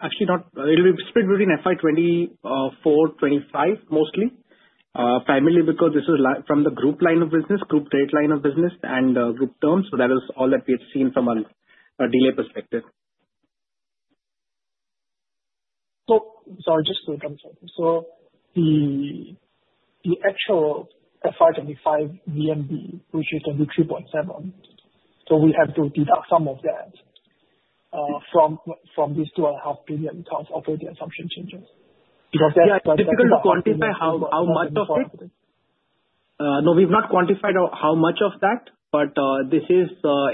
actually, it will be split between FY 2024, 2025, mostly. Primarily because this is from the group line of business, group trade line of business, and group terms. That is all that we have seen from a delay perspective. Sorry, just to make sure. The actual FY 2025 VNB, which is going to be 3.7, we have to deduct some of that from these 2.5 billion in terms of operating assumption changes. Because that's the question. Yeah. Difficult to quantify how much of it. No, we've not quantified how much of that, but this is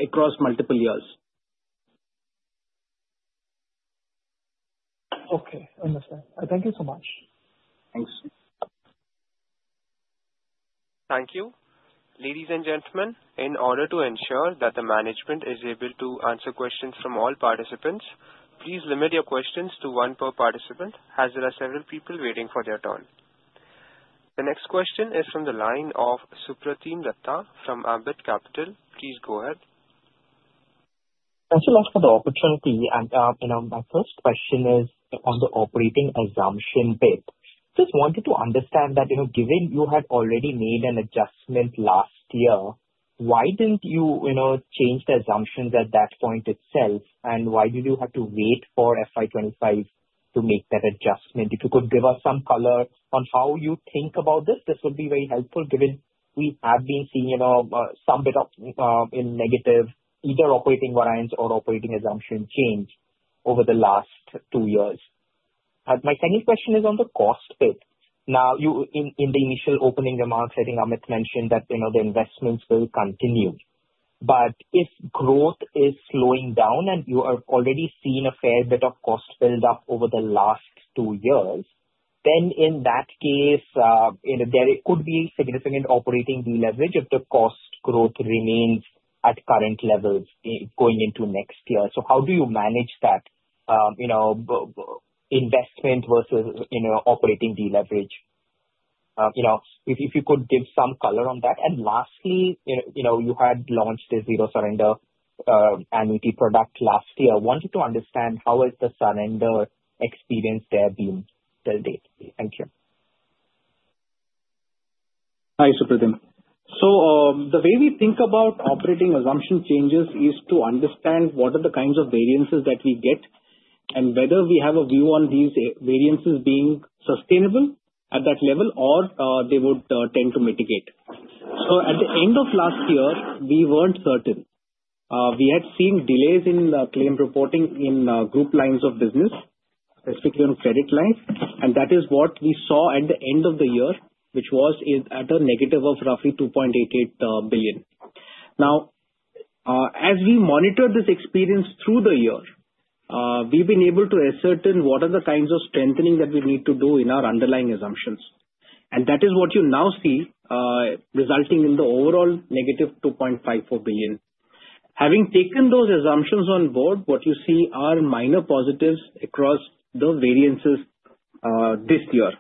across multiple years. Okay. Understood. Thank you so much. Thanks. Thank you. Ladies and gentlemen, in order to ensure that the management is able to answer questions from all participants, please limit your questions to one per participant as there are several people waiting for their turn. The next question is from the line of Supratim Datta from Ambit Capital. Please go ahead. Thank you much for the opportunity. My first question is on the operating assumption bit. Just wanted to understand that given you had already made an adjustment last year, why did you not change the assumptions at that point itself? Why did you have to wait for FY 2025 to make that adjustment? If you could give us some color on how you think about this, this would be very helpful given we have been seeing some bit of negative either operating variance or operating assumption change over the last two years. My second question is on the cost bit. Now, in the initial opening remarks, I think Amit mentioned that the investments will continue. If growth is slowing down and you have already seen a fair bit of cost build-up over the last two years, in that case, there could be significant operating deleverage if the cost growth remains at current levels going into next year. How do you manage that investment versus operating deleverage? If you could give some color on that. Lastly, you had launched a zero surrender annuity product last year. I wanted to understand how has the surrender experience there been till date? Thank you. Hi, Supratim. The way we think about operating assumption changes is to understand what are the kinds of variances that we get and whether we have a view on these variances being sustainable at that level or they would tend to mitigate. At the end of last year, we were not certain. We had seen delays in claim reporting in group lines of business, specifically on credit lines. That is what we saw at the end of the year, which was at a negative of roughly 2.88 billion. As we monitored this experience through the year, we have been able to ascertain what are the kinds of strengthening that we need to do in our underlying assumptions. That is what you now see resulting in the overall negative 2.54 billion. Having taken those assumptions on board, what you see are minor positives across the variances this year.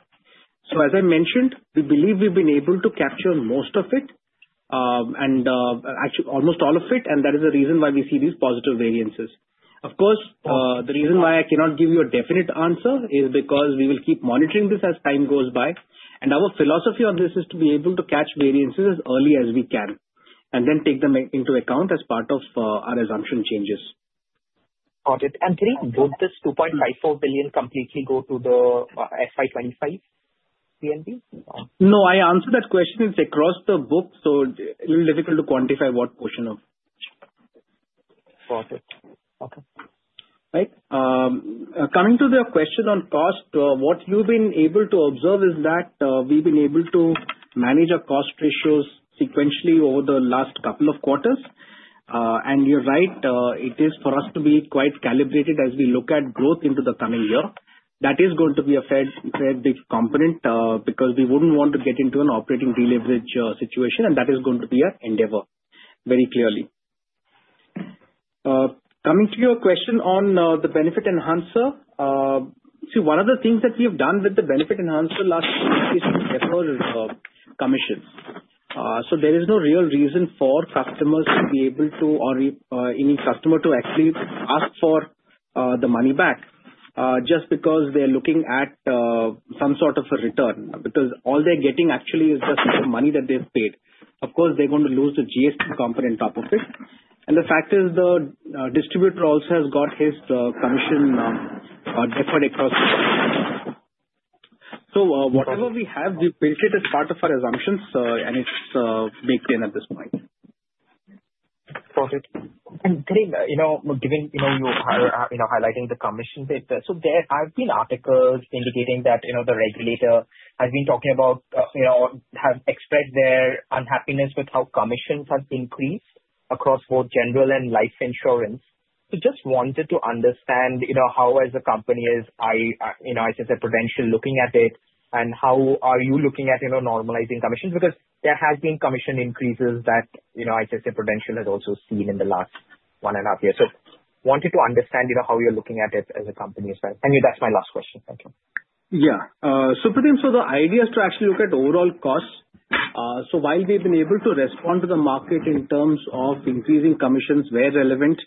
As I mentioned, we believe we've been able to capture most of it and actually almost all of it, and that is the reason why we see these positive variances. Of course, the reason why I cannot give you a definite answer is because we will keep monitoring this as time goes by. Our philosophy on this is to be able to catch variances as early as we can and then take them into account as part of our assumption changes. Got it. Did this 2.54 billion completely go to the FY 2025 VNB? No. I answered that question. It's across the book, so a little difficult to quantify what portion of. Got it. Okay. Right. Coming to the question on cost, what you've been able to observe is that we've been able to manage our cost ratios sequentially over the last couple of quarters. You're right. It is for us to be quite calibrated as we look at growth into the coming year. That is going to be a fairly big component because we would not want to get into an operating deleverage situation, and that is going to be our endeavor, very clearly. Coming to your question on the benefit enhancer, see, one of the things that we have done with the benefit enhancer last year is to defer commissions. There is no real reason for customers to be able to or any customer to actually ask for the money back just because they are looking at some sort of a return because all they are getting actually is just the money that they have paid. Of course, they are going to lose the GST component on top of it. The fact is the distributor also has got his commission deferred across the board. Whatever we have, we've built it as part of our assumptions, and it's baked in at th is point. Got it. Given you're highlighting the commission bit, there have been articles indicating that the regulator has been talking about or has expressed their unhappiness with how commissions have increased across both general and life insurance. I just wanted to understand how, as a company, ICICI Prudential is looking at it, and how are you looking at normalizing commissions because there have been commission increases that ICICI Prudential has also seen in the last one and a half years. I wanted to understand how you're looking at it as a company as well. That's my last question. Thank you. Yeah. Supratim, the idea is to actually look at overall costs. While we've been able to respond to the market in terms of increasing commissions where relevant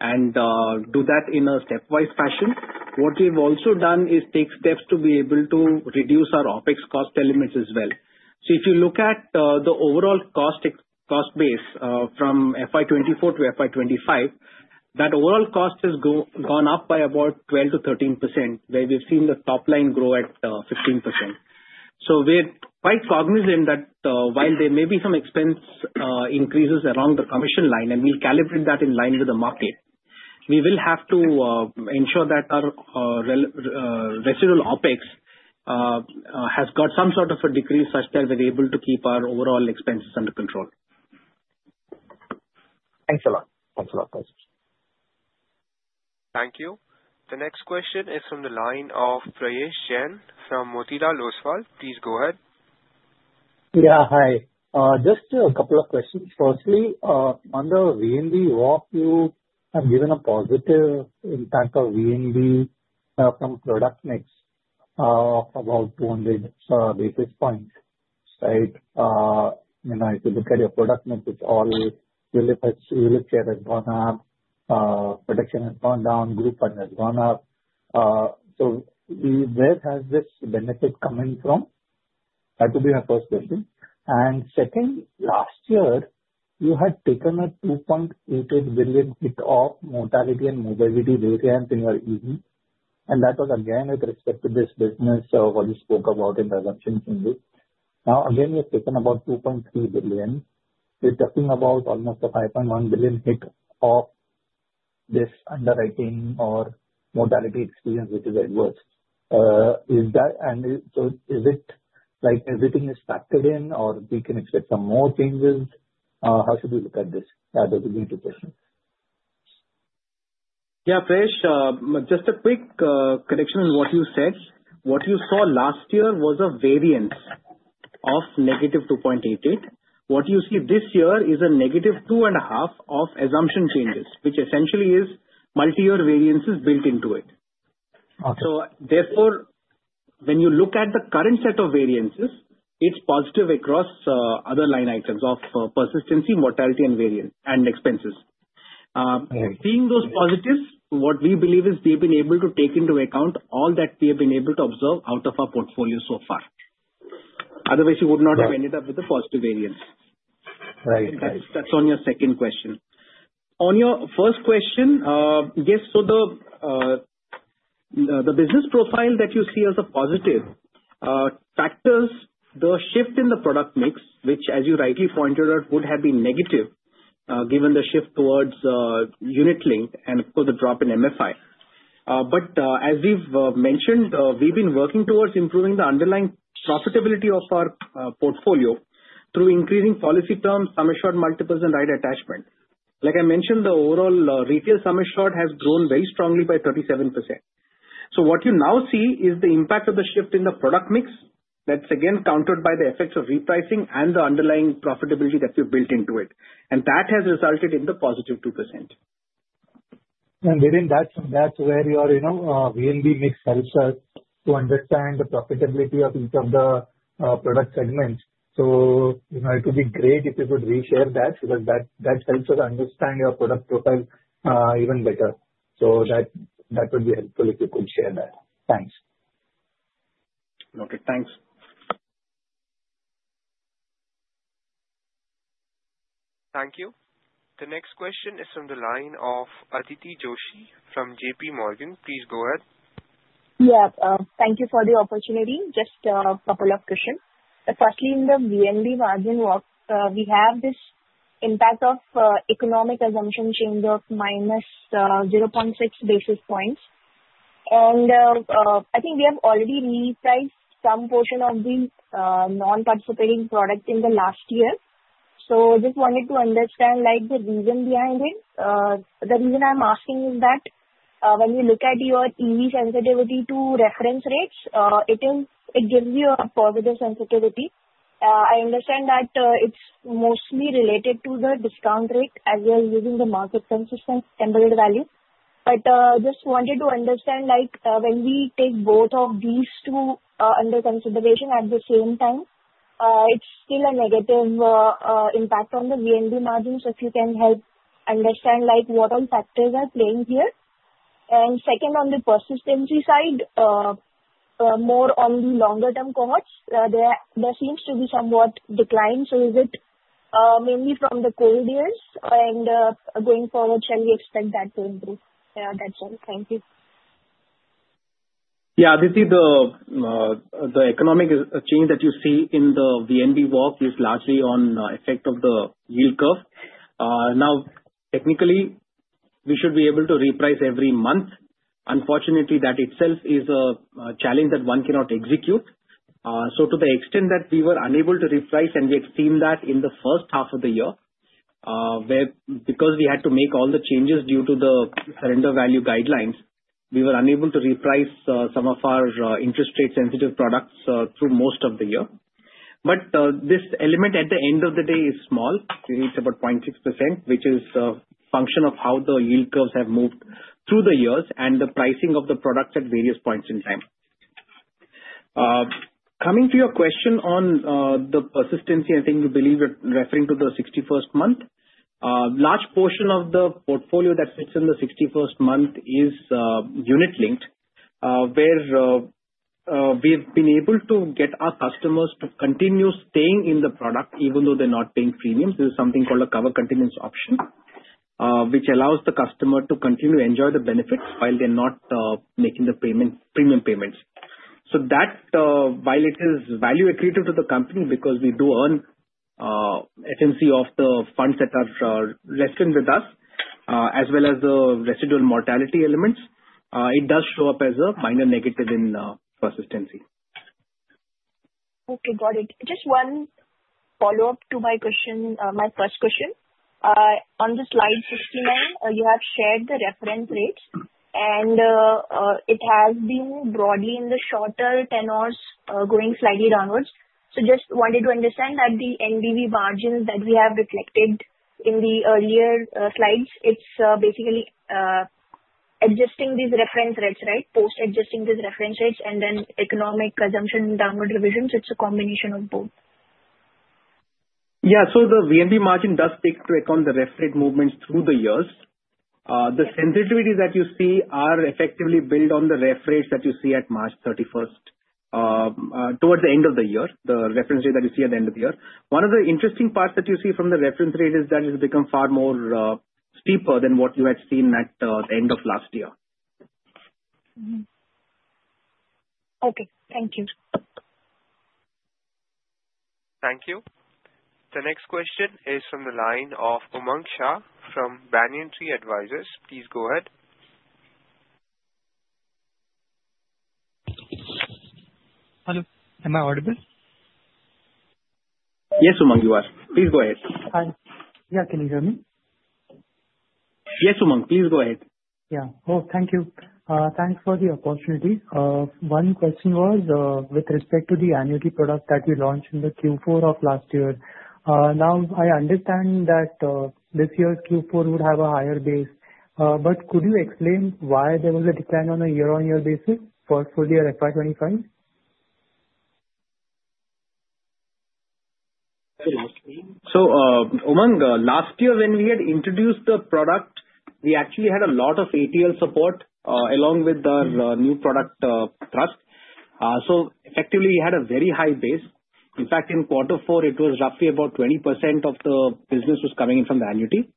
and do that in a stepwise fashion, what we've also done is take steps to be able to reduce our OpEx cost elements as well. If you look at the overall cost base from FY 2024-FY 2025, that overall cost has gone up by about 12%-13%, where we've seen the top line grow at 15%. We're quite cognizant that while there may be some expense increases along the commission line, and we'll calibrate that in line with the market, we will have to ensure that our residual OpEx has got some sort of a decrease such that we're able to keep our overall expenses under control. Thanks a lot. Thank you. The next question is from the line of Prayesh Jain from Motilal Oswal. Please go ahead. Yeah. Hi. Just a couple of questions. Firstly, on the VNB walk, you have given a positive impact of VNB from product mix of about 200 basis points, right? If you look at your product mix, its all relative share has gone up, protection has gone down, group has gone up. Where has this benefit come in from? That would be my first question. Second, last year, you had taken a 2.88 billion hit of mortality and morbidity variance in your EV. That was again with respect to this business, what you spoke about in the assumption changes. Now, again, you have taken about 2.3 billion. You are talking about almost a 5.1 billion hit of this underwriting or mortality experience, which is at worst. Is it like everything is factored in, or can we expect some more changes? How should we look at this? That would be my question. Yeah. Prayesh, just a quick correction on what you said. What you saw last year was a variance of -2.88. What you see this year is a -2.5 of assumption changes, which essentially is multi-year variances built into it. Therefore, when you look at the current set of variances, it's positive across other line items of persistency, mortality, and expenses. Seeing those positives, what we believe is we've been able to take into account all that we have been able to observe out of our portfolio so far. Otherwise, you would not have ended up with a positive variance. That's on your second question. On your first question, yes. The business profile that you see as a positive factors, the shift in the product mix, which, as you rightly pointed out, would have been negative given the shift towards unit link and for the drop in MFI. As we've mentioned, we've been working towards improving the underlying profitability of our portfolio through increasing policy terms, summation multiples and ride attachment. Like I mentioned, the overall retail summation has grown very strongly by 37%. What you now see is the impact of the shift in the product mix. That's again countered by the effects of repricing and the underlying profitability that we've built into it. That has resulted in the positive 2%. Within that, that's where your VNB mix helps us to understand the profitability of each of the product segments. It would be great if you could reshare that because that helps us understand your product profile even better. That would be helpful if you could share that. Thanks. Thank you. The next question is from the line of Aditi Joshi from JP Morgan. Please go ahead. Thank you for the opportunity. Just a couple of questions. Firstly, in the VNB margin walk, we have this impact of economic assumption change of minus 0.6 basis points. I think we have already repriced some portion of the non-participating product in the last year. I just wanted to understand the reason behind it. The reason I am asking is that when you look at your EV sensitivity to reference rates, it gives you a positive sensitivity. I understand that it is mostly related to the discount rate as well using the market consistent standard value. Just wanted to understand when we take both of these two under consideration at the same time, it's still a negative impact on the VNB margin. If you can help understand what all factors are playing here. Second, on the persistency side, more on the longer-term commodities, there seems to be somewhat decline. Is it mainly from the COVID years? Going forward, shall we expect that to improve? Yeah, that's all. Thank you. Yeah. Aditi, the economic change that you see in the VNB walk is largely on the effect of the yield curve. Now, technically, we should be able to reprice every month. Unfortunately, that itself is a challenge that one cannot execute. To the extent that we were unable to reprice, and we had seen that in the first half of the year because we had to make all the changes due to the surrender value guidelines, we were unable to reprice some of our interest rate-sensitive products through most of the year. This element at the end of the day is small. It's about 0.6%, which is a function of how the yield curves have moved through the years and the pricing of the products at various points in time. Coming to your question on the persistency, I think we believe you're referring to the 61st month. A large portion of the portfolio that sits in the 61st month is unit linked, where we've been able to get our customers to continue staying in the product even though they're not paying premiums. There's something called a cover continuance option, which allows the customer to continue to enjoy the benefits while they're not making the premium payments. While it is value-accretive to the company because we do earn efficiency of the funds that are left in with us, as well as the residual mortality elements, it does show up as a minor negative in persistency. Okay. Got it. Just one follow-up to my first question. On the slide 69, you have shared the reference rates, and it has been broadly in the shorter tenors going slightly downwards. I just wanted to understand that the VNB margins that we have reflected in the earlier slides, it's basically adjusting these reference rates, right? Post-adjusting these reference rates and then economic assumption downward revisions. It's a combination of both. Yeah. The VNB margin does take into account the ref rate movements through the years. The sensitivities that you see are effectively built on the ref rates that you see at March 31st towards the end of the year, the reference rate that you see at the end of the year. One of the interesting parts that you see from the reference rate is that it has become far more steeper than what you had seen at the end of last year. Okay. Thank you. Thank you. The next question is from the line of Umang Shah from Banyantree Advisors. Please go ahead. Hello. Am I audible? Yes, Umang, you are. Please go ahead. Hi. Yeah. Can you hear me? Yes, Umang. Please go ahead. Yeah. Oh, thank you. Thanks for the opportunity. One question was with respect to the annuity product that you launched in the Q4 of last year. Now, I understand that this year's Q4 would have a higher base. Could you explain why there was a decline on a year-on-year basis for full-year FY 2025? Umang, last year, when we had introduced the product, we actually had a lot of ATL support along with our new product trust. Effectively, we had a very high base. In fact, in quarter four, it was roughly about 20% of the business coming in from the annuity.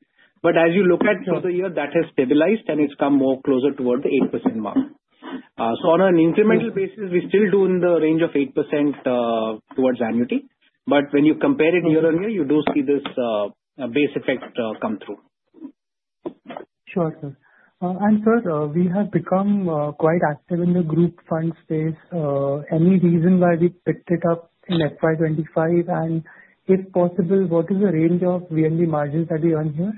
As you look at the year, that has stabilized, and it has come more closer toward the 8% mark. On an incremental basis, we still do in the range of 8% towards annuity. When you compare it year-on-year, you do see this base effect come through. Sure. Sir, we have become quite active in the group fund space. Any reason why we picked it up in FY 2025? If possible, what is the range of VNB margins that we earn here?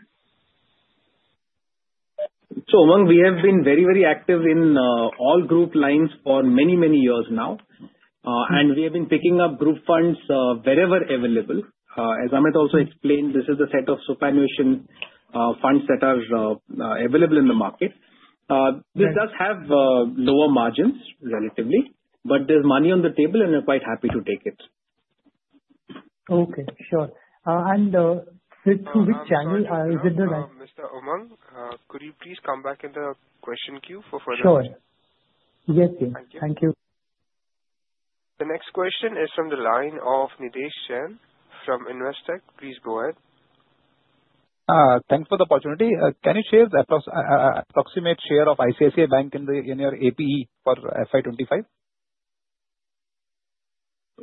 Umang, we have been very, very active in all group lines for many, many years now. We have been picking up group funds wherever available. As Amit also explained, this is the set of superannuation funds that are available in the market. This does have lower margins relatively, but there is money on the table, and we are quite happy to take it. Okay. Sure. Through which channel? Is it the right? Mr. Umang, could you please come back in the question queue for further? Sure. Yes, sir. Thank you. The next question is from the line of Nitesh Chen from Investec. Please go ahead. Thanks for the opportunity. Can you share the approximate share of ICICI Bank in your APE for FY 2025?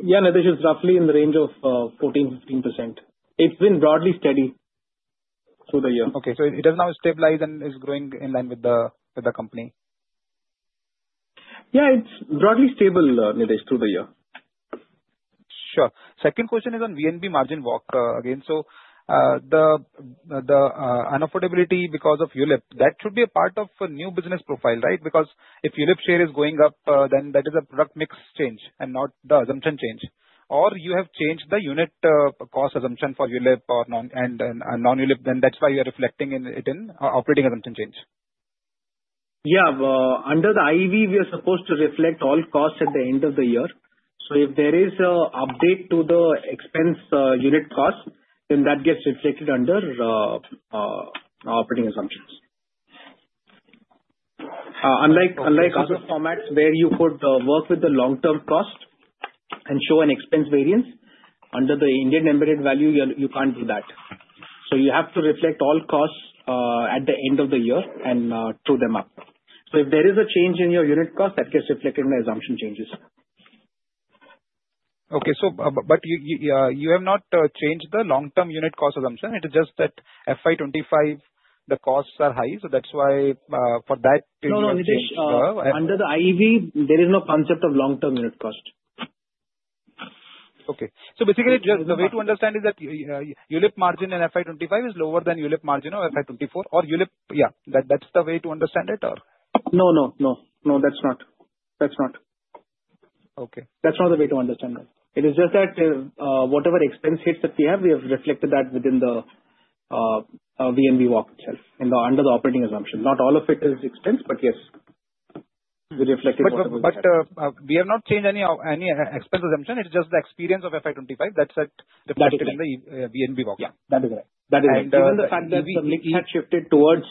Yeah. Nitesh, it is roughly in the range of 14%-15%. It's been broadly steady through the year. Okay. It has now stabilized and is growing in line with the company? Yeah. It's broadly stable, Nitesh, through the year. Sure. Second question is on VNB margin walk again. The unaffordability because of ULIP, that should be a part of a new business profile, right? Because if ULIP share is going up, then that is a product mix change and not the assumption change. Or you have changed the unit cost assumption for ULIP and non-ULIP, then that's why you are reflecting it in operating assumption change. Yeah. Under the IEV, we are supposed to reflect all costs at the end of the year. If there is an update to the expense unit cost, then that gets reflected under operating assumptions. Unlike other formats where you could work with the long-term cost and show an expense variance under the Indian embedded value, you can't do that. You have to reflect all costs at the end of the year and true them up. If there is a change in your unit cost, that gets reflected in the assumption changes. Okay. You have not changed the long-term unit cost assumption. It is just that FY 2025, the costs are high. That is why for that, Nitesh, under the IEV, there is no concept of long-term unit cost. Okay. Basically, the way to understand is that ULIP margin in FY 2025 is lower than ULIP margin of FY 2024 or ULIP? Yeah. That is the way to understand it, or? No, no, no. No, that is not. That is not. That is not the way to understand it. It is just that whatever expense hits that we have, we have reflected that within the VNB walk itself under the operating assumption. Not all of it is expense, but yes, we reflected whatever. We have not changed any expense assumption. It is just the experience of FY 2025 that is reflected in the VNB walk. Yeah. That is right. That is right. Even the factor has shifted towards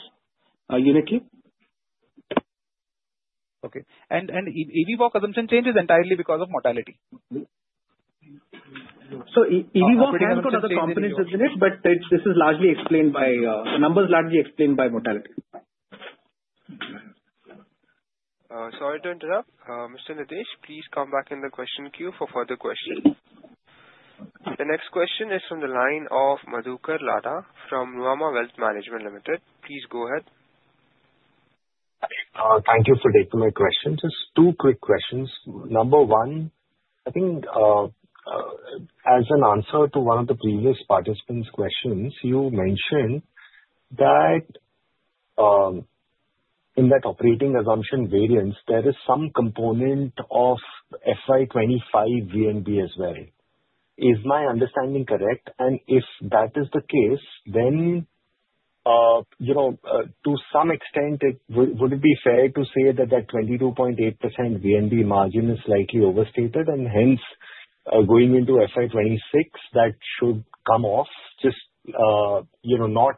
unit-linked. Okay. EV walk assumption change is entirely because of mortality. EV walk has got other components in it, but this is largely explained by the numbers, largely explained by mortality. Sorry to interrupt. Mr. Nitesh, please come back in the question queue for further questions. The next question is from the line of Madhukar Ladha from Nuvama Wealth Management Limited. Please go ahead. Thank you for taking my question. Just two quick questions. Number one, I think as an answer to one of the previous participants' questions, you mentioned that in that operating assumption variance, there is some component of FY 2025 VNB as well. Is my understanding correct? If that is the case, then to some extent, would it be fair to say that that 22.8% VNB margin is slightly overstated? Hence, going into FY 2026, that should come off, just not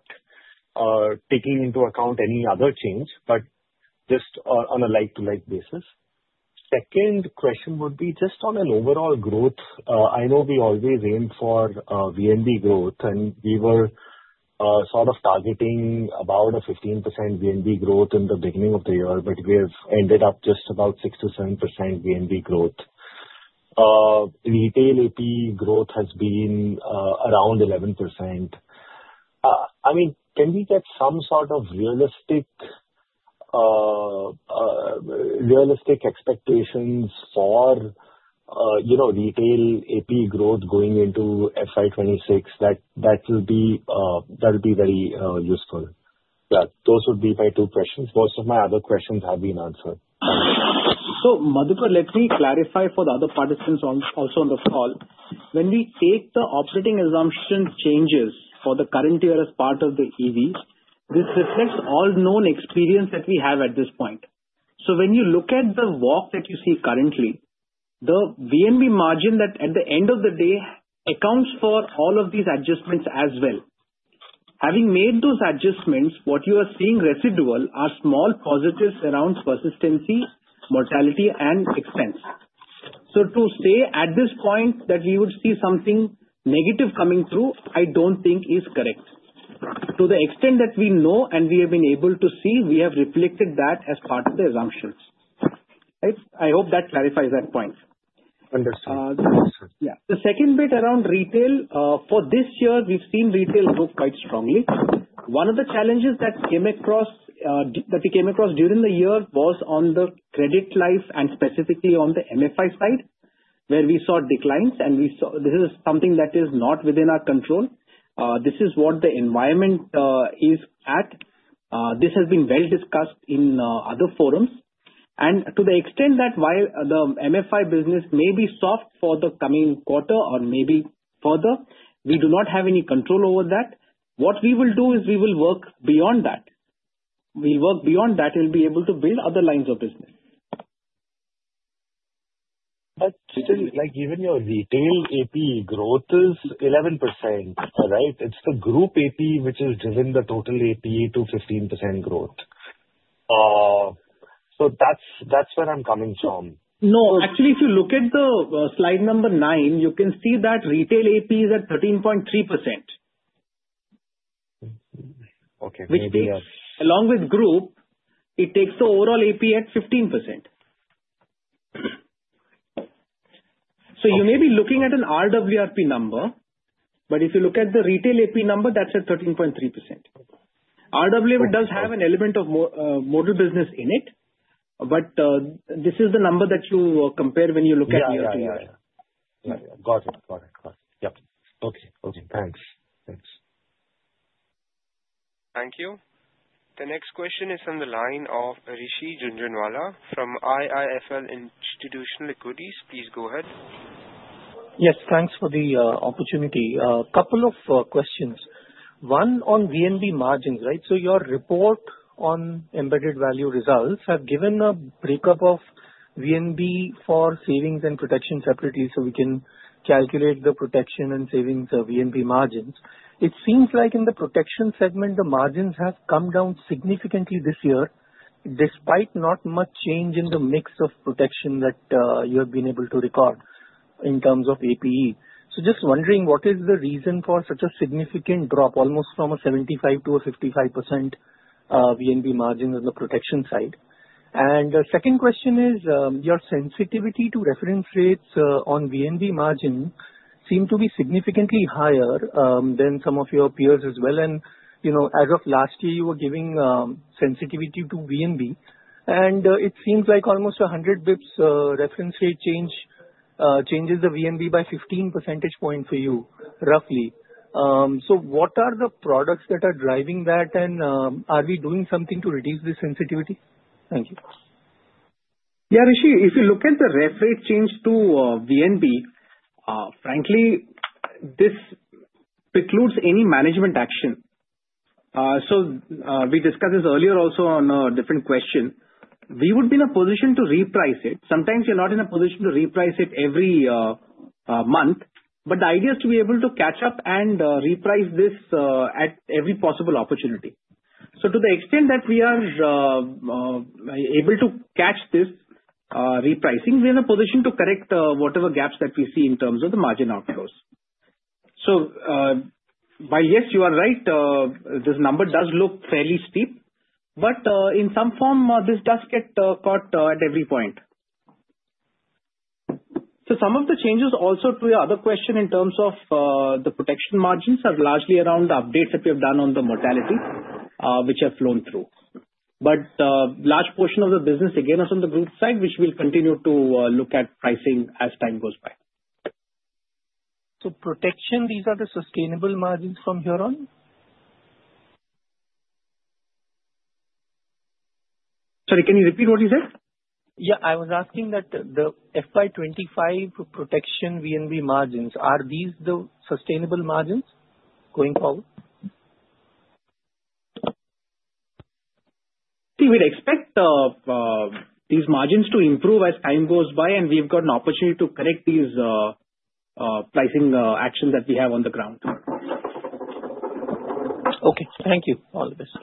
taking into account any other change, but just on a like-to-like basis. Second question would be just on an overall growth. I know we always aim for VNB growth, and we were sort of targeting about a 15% VNB growth in the beginning of the year, but we have ended up just about 6%-7% VNB growth. Retail APE growth has been around 11%. I mean, can we get some sort of realistic expectations for retail APE growth going into FY 2026? That will be very useful. Yeah. Those would be my two questions. Most of my other questions have been answered. So, Madhukar, let me clarify for the other participants also on the call. When we take the operating assumption changes for the current year as part of the EVs, this reflects all known experience that we have at this point. When you look at the walk that you see currently, the VNB margin that at the end of the day accounts for all of these adjustments as well. Having made those adjustments, what you are seeing residual are small positives around persistency, mortality, and expense. To say at this point that we would see something negative coming through, I don't think is correct. To the extent that we know and we have been able to see, we have reflected that as part of the assumptions. I hope that clarifies that point. Understood. Yeah. The second bit around retail, for this year, we've seen retail grow quite strongly. One of the challenges that we came across during the year was on the credit life and specifically on the MFI side, where we saw declines. This is something that is not within our control. This is what the environment is at. This has been well discussed in other forums. To the extent that while the MFI business may be soft for the coming quarter or maybe further, we do not have any control over that. What we will do is we will work beyond that. We'll work beyond that and be able to build other lines of business. Even your retail APE growth is 11%, right? It is the group APE which has driven the total APE to 15% growth. That is where I am coming from. No. Actually, if you look at slide number 9, you can see that retail APE is at 13.3%. Okay. Which takes, along with group, it takes the overall APE at 15%. You may be looking at an RWRP number, but if you look at the retail APE number, that is at 13.3%. RWRP does have an element of model business in it, but this is the number that you compare when you look at year-to-year. Got it. Got it. Got it. Yep. Okay. Okay. Thanks. Thanks. Thank you. The next question is from the line of Rishi Jhunjhunwala from IIFL Institutional Equities. Please go ahead. Yes. Thanks for the opportunity. A couple of questions. One on VNB margins, right? Your report on embedded value results has given a breakup of VNB for savings and protection separately so we can calculate the protection and savings VNB margins. It seems like in the protection segment, the margins have come down significantly this year despite not much change in the mix of protection that you have been able to record in terms of APE. Just wondering what is the reason for such a significant drop, almost from a 75% to a 55% VNB margin on the protection side. The second question is your sensitivity to reference rates on VNB margin seem to be significantly higher than some of your peers as well. As of last year, you were giving sensitivity to VNB, and it seems like almost 100 basis points reference rate change changes the VNB by 15% points for you, roughly. What are the products that are driving that, and are we doing something to reduce the sensitivity? Thank you. Yeah. Rishi, if you look at the ref rate change to VNB, frankly, this precludes any management action. We discussed this earlier also on a different question. We would be in a position to reprice it. Sometimes you're not in a position to reprice it every month, but the idea is to be able to catch up and reprice this at every possible opportunity. To the extent that we are able to catch this repricing, we are in a position to correct whatever gaps that we see in terms of the margin outflows. While yes, you are right, this number does look fairly steep, but in some form, this does get caught at every point. Some of the changes also to your other question in terms of the protection margins are largely around the updates that we have done on the mortality which have flown through. A large portion of the business, again, is on the group side, which we will continue to look at pricing as time goes by. Protection, these are the sustainable margins from here on? Sorry, can you repeat what you said? Yeah. I was asking that the FY 2025 protection VNB margins, are these the sustainable margins going forward? We would expect these margins to improve as time goes by, and we have got an opportunity to correct these pricing actions that we have on the ground. Okay. Thank you. All the best.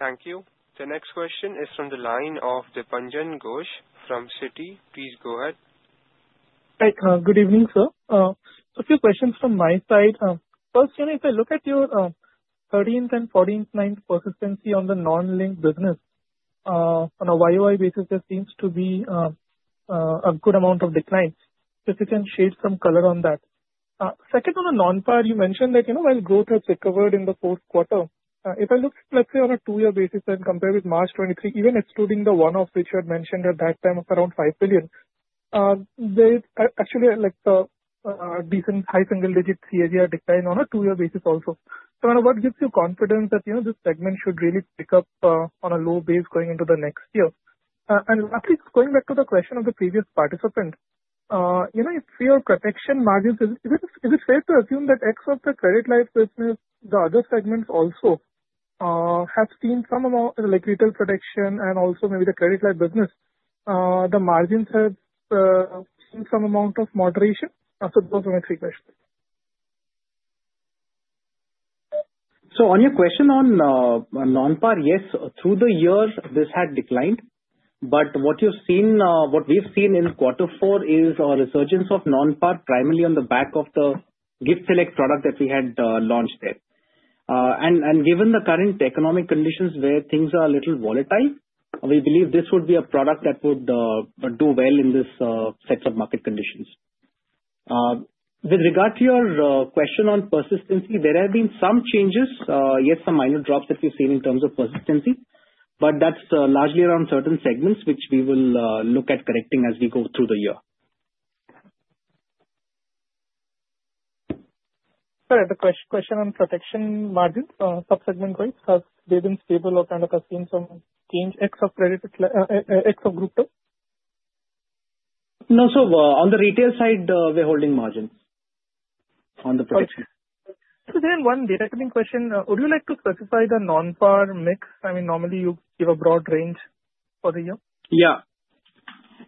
Thank you. The next question is from the line of Dipanjan Ghosh from Citi. Please go ahead. Hi. Good evening, sir. A few questions from my side. First, if I look at your 13th and 14th ninth persistency on the non-linked business, on a YOI basis, there seems to be a good amount of declines. If you can shade some color on that. Second, on the non-PAR, you mentioned that while growth has recovered in the fourth quarter, if I look, let's say, on a two-year basis and compare with March 2023, even excluding the one-off which you had mentioned at that time of around 5 billion, there is actually a decent high single-digit CAGR decline on a two-year basis also. What gives you confidence that this segment should really pick up on a low base going into the next year? Lastly, going back to the question of the previous participant, if your protection margins, is it fair to assume that X of the credit life business, the other segments also have seen some amount, like retail protection and also maybe the credit life business, the margins have seen some amount of moderation? Those are my three questions. On your question on non-PAR, yes, through the year, this had declined. What we've seen in quarter four is a resurgence of non-PAR primarily on the back of the Gift Select product that we had launched there. Given the current economic conditions where things are a little volatile, we believe this would be a product that would do well in this set of market conditions. With regard to your question on persistency, there have been some changes, yes, some minor drops that we've seen in terms of persistency, but that's largely around certain segments which we will look at correcting as we go through the year. Sorry, the question on protection margins, subsegment growth, has they been stable or kind of have seen some change X of group two? No, sir. On the retail side, we're holding margins on the protection. Okay. So then one data cleaning question. Would you like to specify the non-PAR mix? I mean, normally, you give a broad range for the year. Yeah. Yeah.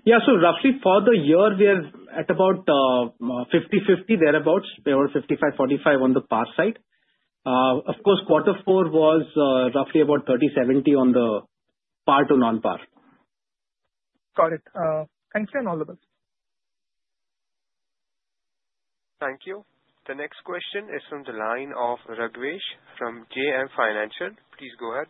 So roughly for the year, we are at about 50/50, thereabouts. We were 55/45 on the par side. Of course, quarter four was roughly about 30/70 on the par to non-PAR. Got it. Thanks again, all of us. Thank you. The next question is from the line of Ragvesh from JM Financial. Please go ahead.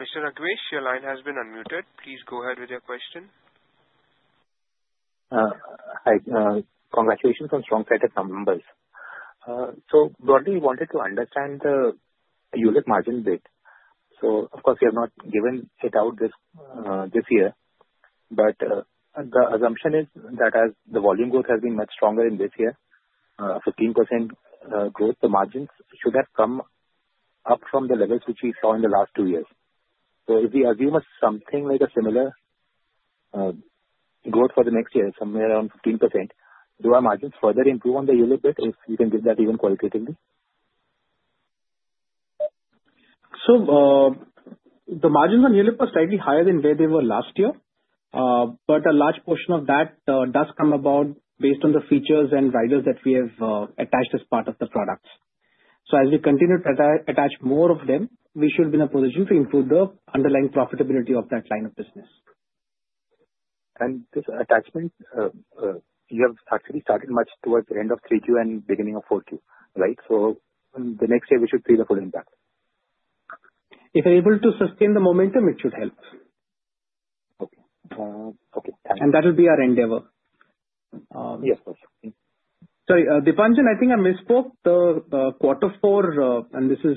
Mr. Ragvesh, your line has been unmuted. Please go ahead with your question Hi. Congratulations on strong setup, members. Broadly, we wanted to understand the unit margin bit. Of course, we have not given it out this year, but the assumption is that as the volume growth has been much stronger in this year, 15% growth, the margins should have come up from the levels which we saw in the last two years. If we assume something like a similar growth for the next year, somewhere around 15%, do our margins further improve on the unit bit if you can give that even qualitatively? The margins on unit are slightly higher than where they were last year, but a large portion of that does come about based on the features and riders that we have attached as part of the products. As we continue to attach more of them, we should be in a position to improve the underlying profitability of that line of business. This attachment, you have actually started much towards the end of Q3 and beginning of Q4, right? The next year, we should see the full impact. If we're able to sustain the momentum, it should help. Okay. Thank you. That will be our endeavor. Yes, sir. Sorry, Dipanjan, I think I misspoke. The quarter four, and this is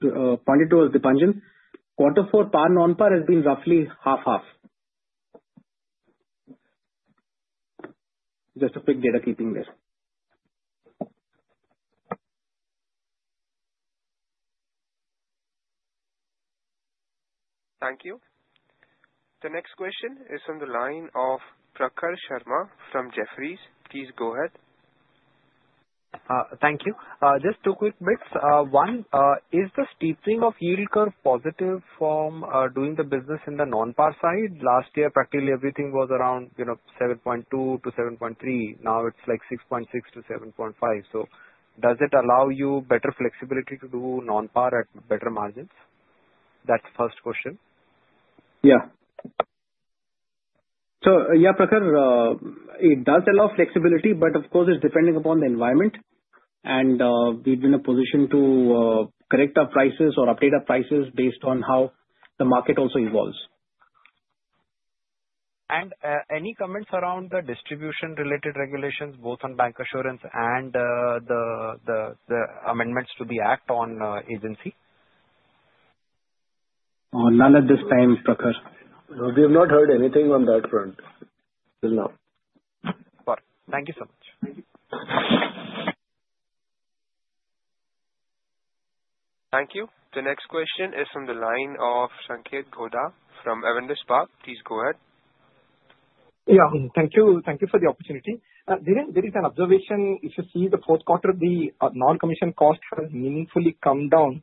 pointed towards Dipanjan, quarter four PAR non-PAR has been roughly half-half. Just a quick data keeping there Thank you. The next qestion is from the line of from Prakhar Sharma from Jefferies. Please go ahead. Thank you. Just two quick bits. One, is the steepening of yield curve positive from doing the business in the non-par side? Last year, practically everything was around 7.2-7.3. Now it's like 6.6-7.5. Does it allow you better flexibility to do non-par at better margins? That's the first question. Yeah. Yeah, Prakash, it does allow flexibility, but of course, it's depending upon the environment, and we've been in a position to correct our prices or update our prices based on how the market also evolves. Any comments around the distribution-related regulations, both on bancassurance and the amendments to the act on agency? None at this time, Prakash. We have not heard anything on that front till now. Got it. Thank you so much. Thank you. Thank you. The next question is from the line of Sanketh Gowda from Evanders Park. Please go ahead. Yeah. Thank you for the opportunity. There is an observation. If you see the fourth quarter, the non-commission cost has meaningfully come down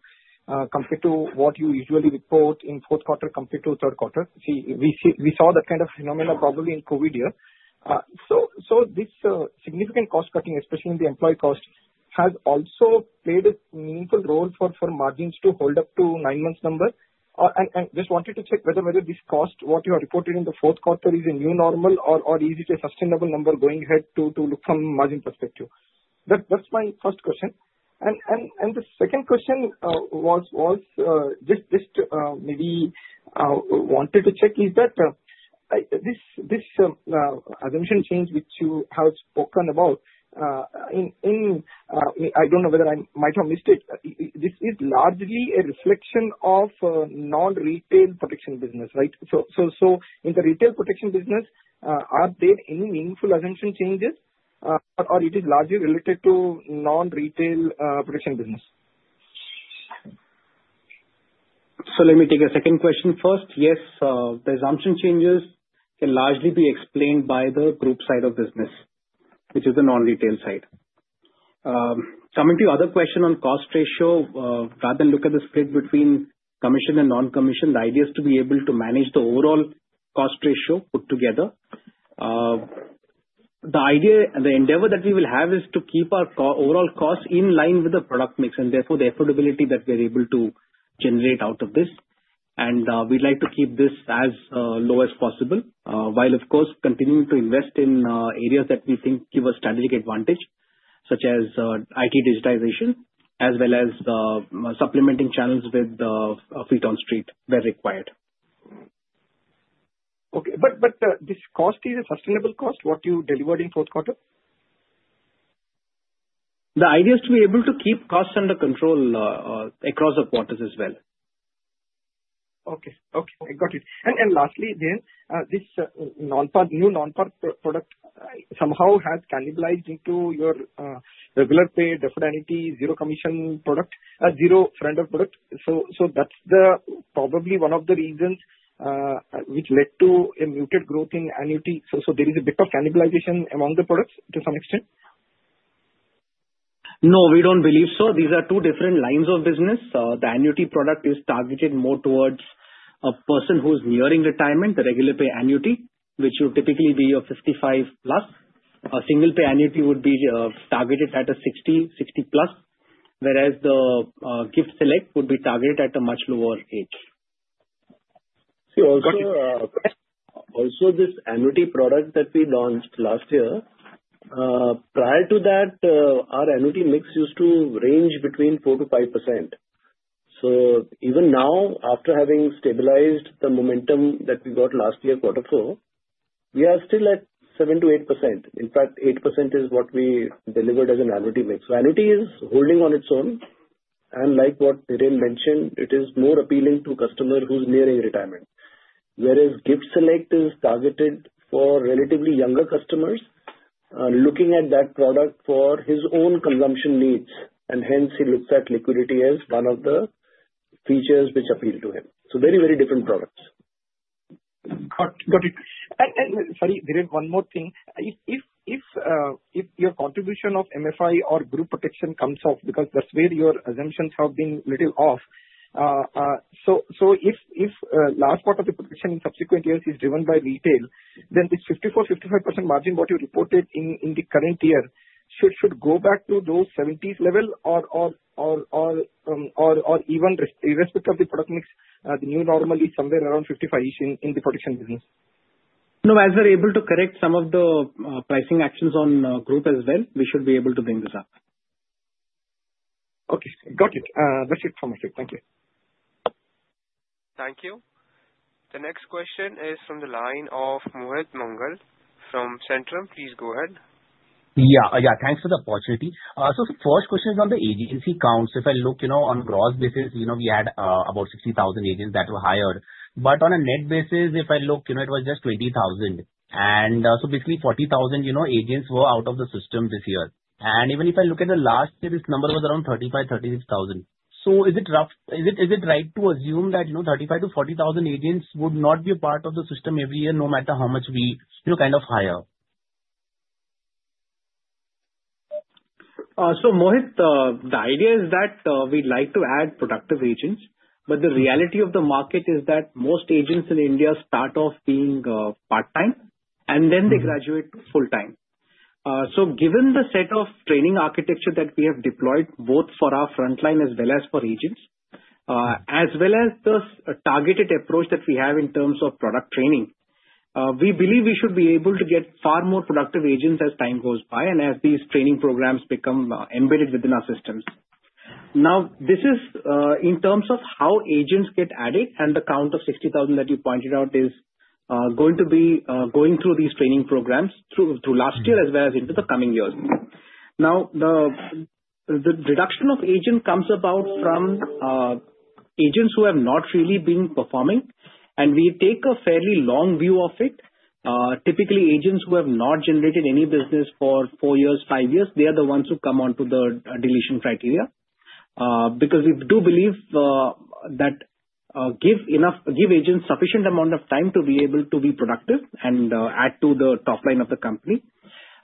compared to what you usually report in fourth quarter compared to third quarter. We saw that kind of phenomena probably in COVID year. This significant cost cutting, especially in the employee cost, has also played a meaningful role for margins to hold up to nine months number. I just wanted to check whether this cost, what you have reported in the fourth quarter, is a new normal or is it a sustainable number going ahead to look from a margin perspective. That is my first question. The second question was just maybe wanted to check is that this assumption change which you have spoken about, I do not know whether I might have missed it, this is largely a reflection of non-retail protection business, right? In the retail protection business, are there any meaningful assumption changes, or it is largely related to non-retail protection business? Let me take the second question first. Yes, the assumption changes can largely be explained by the group side of business, which is the non-retail side. Coming to your other question on cost ratio, rather than look at the split between commission and non-commission, the idea is to be able to manage the overall cost ratio put together. The endeavor that we will have is to keep our overall cost in line with the product mix and therefore the affordability that we are able to generate out of this. We would like to keep this as low as possible while, of course, continuing to invest in areas that we think give us strategic advantage, such as IT digitization, as well as supplementing channels with a feet on street where required. Okay. This cost is a sustainable cost, what you delivered in fourth quarter? The idea is to be able to keep costs under control across the quarters as well. Okay. Okay. I got it. Lastly, this new non-par product somehow has cannibalized into your regular pay, deferred annuity, zero commission product, zero friend of product. That is probably one of the reasons which led to a muted growth in annuity. There is a bit of cannibalization among the products to some extent? No, we do not believe so. These are two different lines of business. The annuity product is targeted more towards a person who is nearing retirement, the regular pay annuity, which would typically be a 55-plus. A single pay annuity would be targeted at a 60+, whereas the Gift Select would be targeted at a much lower age. Also, this annuity product that we launched last year, prior to that, our annuity mix used to range between 4%-5%. Even now, after having stabilized the momentum that we got last year, quarter four, we are still at 7%-8%. In fact, 8% is what we delivered as an annuity mix. Annuity is holding on its own. Like what Dhiren mentioned, it is more appealing to customers who are nearing retirement, whereas Gift Select is targeted for relatively younger customers looking at that product for his own consumption needs. Hence, he looks at liquidity as one of the features which appeal to him. Very, very different products. Got it. Sorry, Dhiren, one more thing. If your contribution of MFI or group protection comes off, because that's where your assumptions have been a little off, if the last part of the protection in subsequent years is driven by retail, then this 54%-55% margin, what you reported in the current year, should go back to those 70s level or even irrespective of the product mix, the new normal is somewhere around 55% in the protection business? No, as we're able to correct some of the pricing actions on group as well, we should be able to bring this up. Okay. Got it. That's it from my side. Thank you. Thank you. The next question is from the line of Mohit Mangal from Centrum. Please go ahead. Yeah. Yeah. Thanks for the opportunity. The first question is on the agency counts. If I look on gross basis, we had about 60,000 agents that were hired. On a net basis, if I look, it was just 20,000. Basically, 40,000 agents were out of the system this year. Even if I look at last year, this number was around 35,000-36,000. Is it right to assume that 35,000-40,000 agents would not be a part of the system every y ear, no matter how much we kind of hire? Mohit, the idea is that we'd like to add productive agents, but the reality of the market is that most agents in India start off being part-time, and then they graduate to full-time. Given the set of training architecture that we have deployed both for our frontline as well as for agents, as well as the targeted approach that we have in terms of product training, we believe we should be able to get far more productive agents as time goes by and as these training programs become embedded within our systems. This is in terms of how agents get added, and the count of 60,000 that you pointed out is going to be going through these training programs through last year as well as into the coming years. The reduction of agent comes about from agents who have not really been performing, and we take a fairly long view of it. Typically, agents who have not generated any business for four years, five years, they are the ones who come onto the deletion criteria because we do believe that give agents sufficient amount of time to be able to be productive and add to the top line of the company.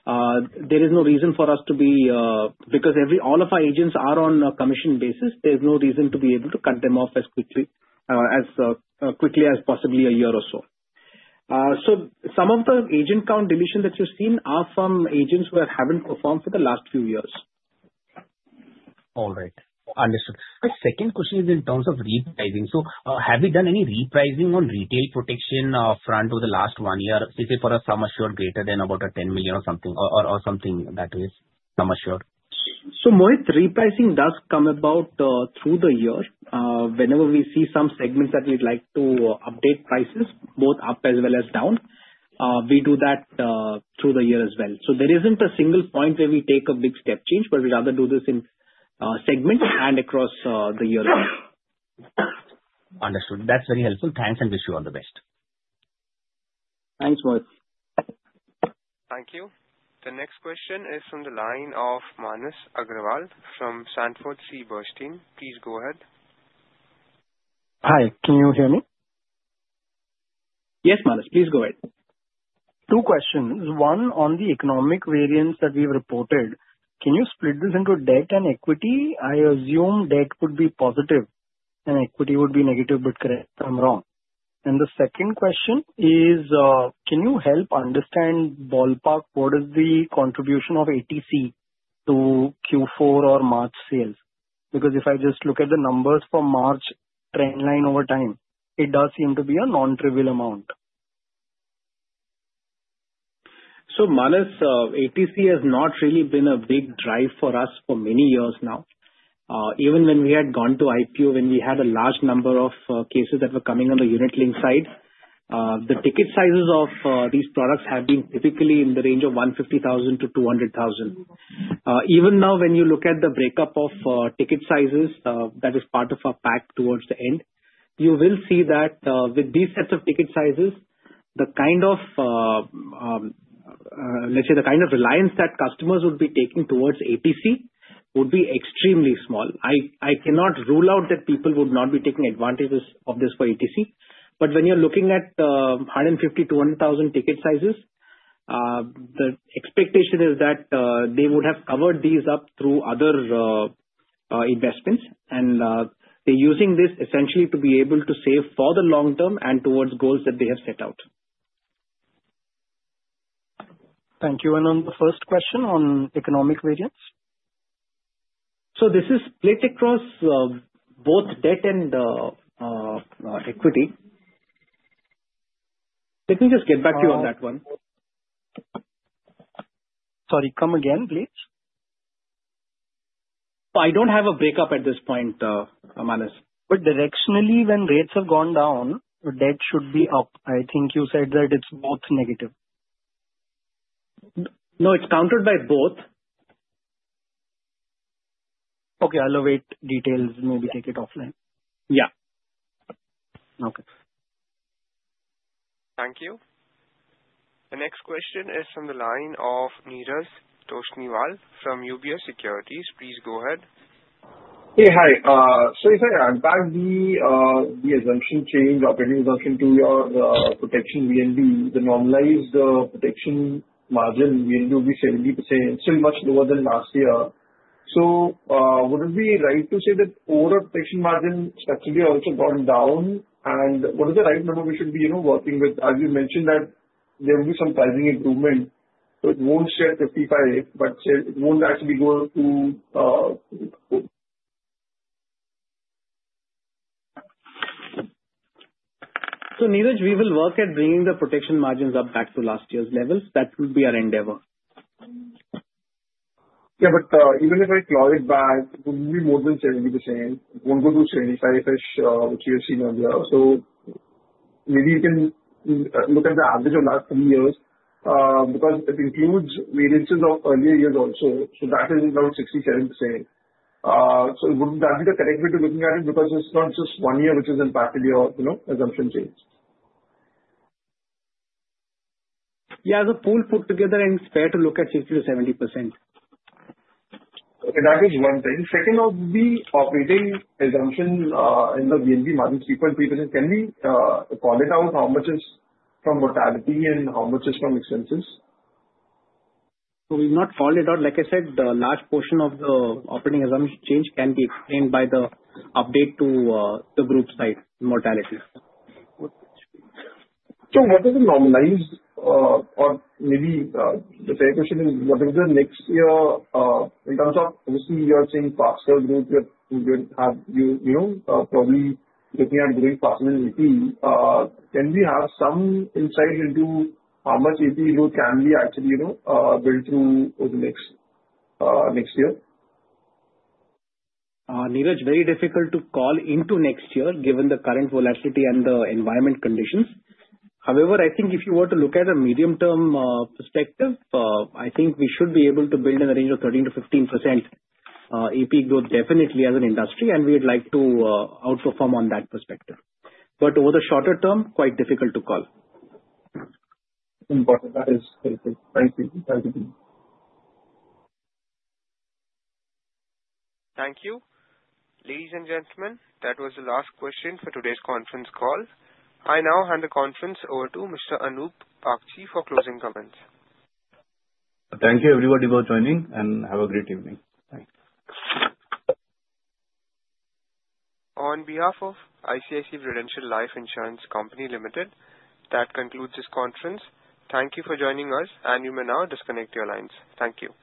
There is no reason for us to be because all of our agents are on a commission basis. There is no reason to be able to cut them off as quickly as possibly a year or so. Some of the agent count deletion that you have seen are from agents who have not performed for the last few years. All right. Understood. My second question is in terms of repricing. Have we done any repricing on retail protection front over the last one year, say for a sum assured greater than about 10 million or something that is sum assured? Mohit, repricing does come about through the year. Whenever we see some segments that we'd like to update prices, both up as well as down, we do that through the year as well. There isn't a single point where we take a big step change, but we rather do this in segments and across the year as well. Understood. That's very helpful. Thanks, and wish you all the best. Thanks, Mohit. Thank you. The next question is from the line of Manas Agrawal from Sanford C. Berstein. Please go ahead. Hi. Can you hear me? Yes, Manus. Please go ahead. Two questions. One on the economic variance that we've reported. Can you split this into debt and equity? I assume debt would be positive and equity would be negative, but correct me if I'm wrong. The second question is, can you help understand ballpark what is the contribution of ATC to Q4 or March sales? Because if I just look at the numbers for March trend line over time, it does seem to be a non-trivial amount. Manus, ATC has not really been a big drive for us for many years now. Even when we had gone to IPO, when we had a large number of cases that were coming on the unit-linked side, the ticket sizes of these products have been typically in the range of 150,000-200,000. Even now, when you look at the breakup of ticket sizes that is part of our pack towards the end, you will see that with these sets of ticket sizes, the kind of, let's say, the kind of reliance that customers would be taking towards ATC would be extremely small. I cannot rule out that people would not be taking advantages of this for ATC. When you're looking at 150,000-200,000 ticket sizes, the expectation is that they would have covered these up through other investments, and they're using this essentially to be able to save for the long term and towards goals that they have set out. Thank you. On the first question on economic variance? This is split across both debt and equity. Let me just get back to you on that one. Sorry. Come again, please. I do not have a breakup at this point, Manus. Directionally, when rates have gone down, debt should be up. I think you said that it is both negative. No, it is counted by both. Okay. I will await details. Maybe take it offline. Yeah. Okay. Thank you. The next question is from the line of Neeraj Toshniwal from UBS Securities. Please go ahead. Hey, hi. If I unpack the assumption change, operating assumption to your protection VNB, the normalized protection margin VNB will be 70%. It's still much lower than last year. Would it be right to say that overall protection margin structurally also gone down? What is the right number we should be working with? You mentioned that there will be some pricing improvement, so it won't share 55, but it won't actually go to. Neeraj, we will work at bringing the protection margins up back to last year's levels. That will be our endeavor. Yeah. Even if I claw it back, it wouldn't be more than 70%. It won't go to 75-ish, which you have seen earlier. Maybe you can look at the average of last three years because it includes variances of earlier years also. That is around 67%. Wouldn't that be the correct way to looking at it because it's not just one year which has impacted your assumption change? Yeah. The pool put together and spare to look at 50%-70%. That is one thing. Second, of the operating assumption in the VNB margins, 3.3%. Can we call it out how much is from mortality and how much is from expenses? We've not called it out. Like I said, the large portion of the operating assumption change can be explained by the update to the group side mortality. What is the normalized or maybe the fair question is, what is the next year in terms of obviously you are saying faster growth with probably looking at growing faster than ATE? Can we have some insight into how much ATE growth can be actually built through next year? Neeraj, very difficult to call into next year given the current volatility and the environment conditions. However, I think if you were to look at a medium-term perspective, I think we should be able to build in the range of 13%-15% AP growth definitely as an industry, and we would like to outperform on that perspective. Over the shorter term, quite difficult to call. That is very good. Thank you. Thank you. Thank you Ladies and gentlemen, that was the last question for today's conference call. I now hand the conference over to Mr. Anup Bagchi for closing comments. Thank you, everybody, for joining, and have a great evening. Thanks. On behalf of ICICI Prudential Life Insurance Company Limited, that concludes this conference. Thank you for joining us, and you may now disconnect your lines. Thank you.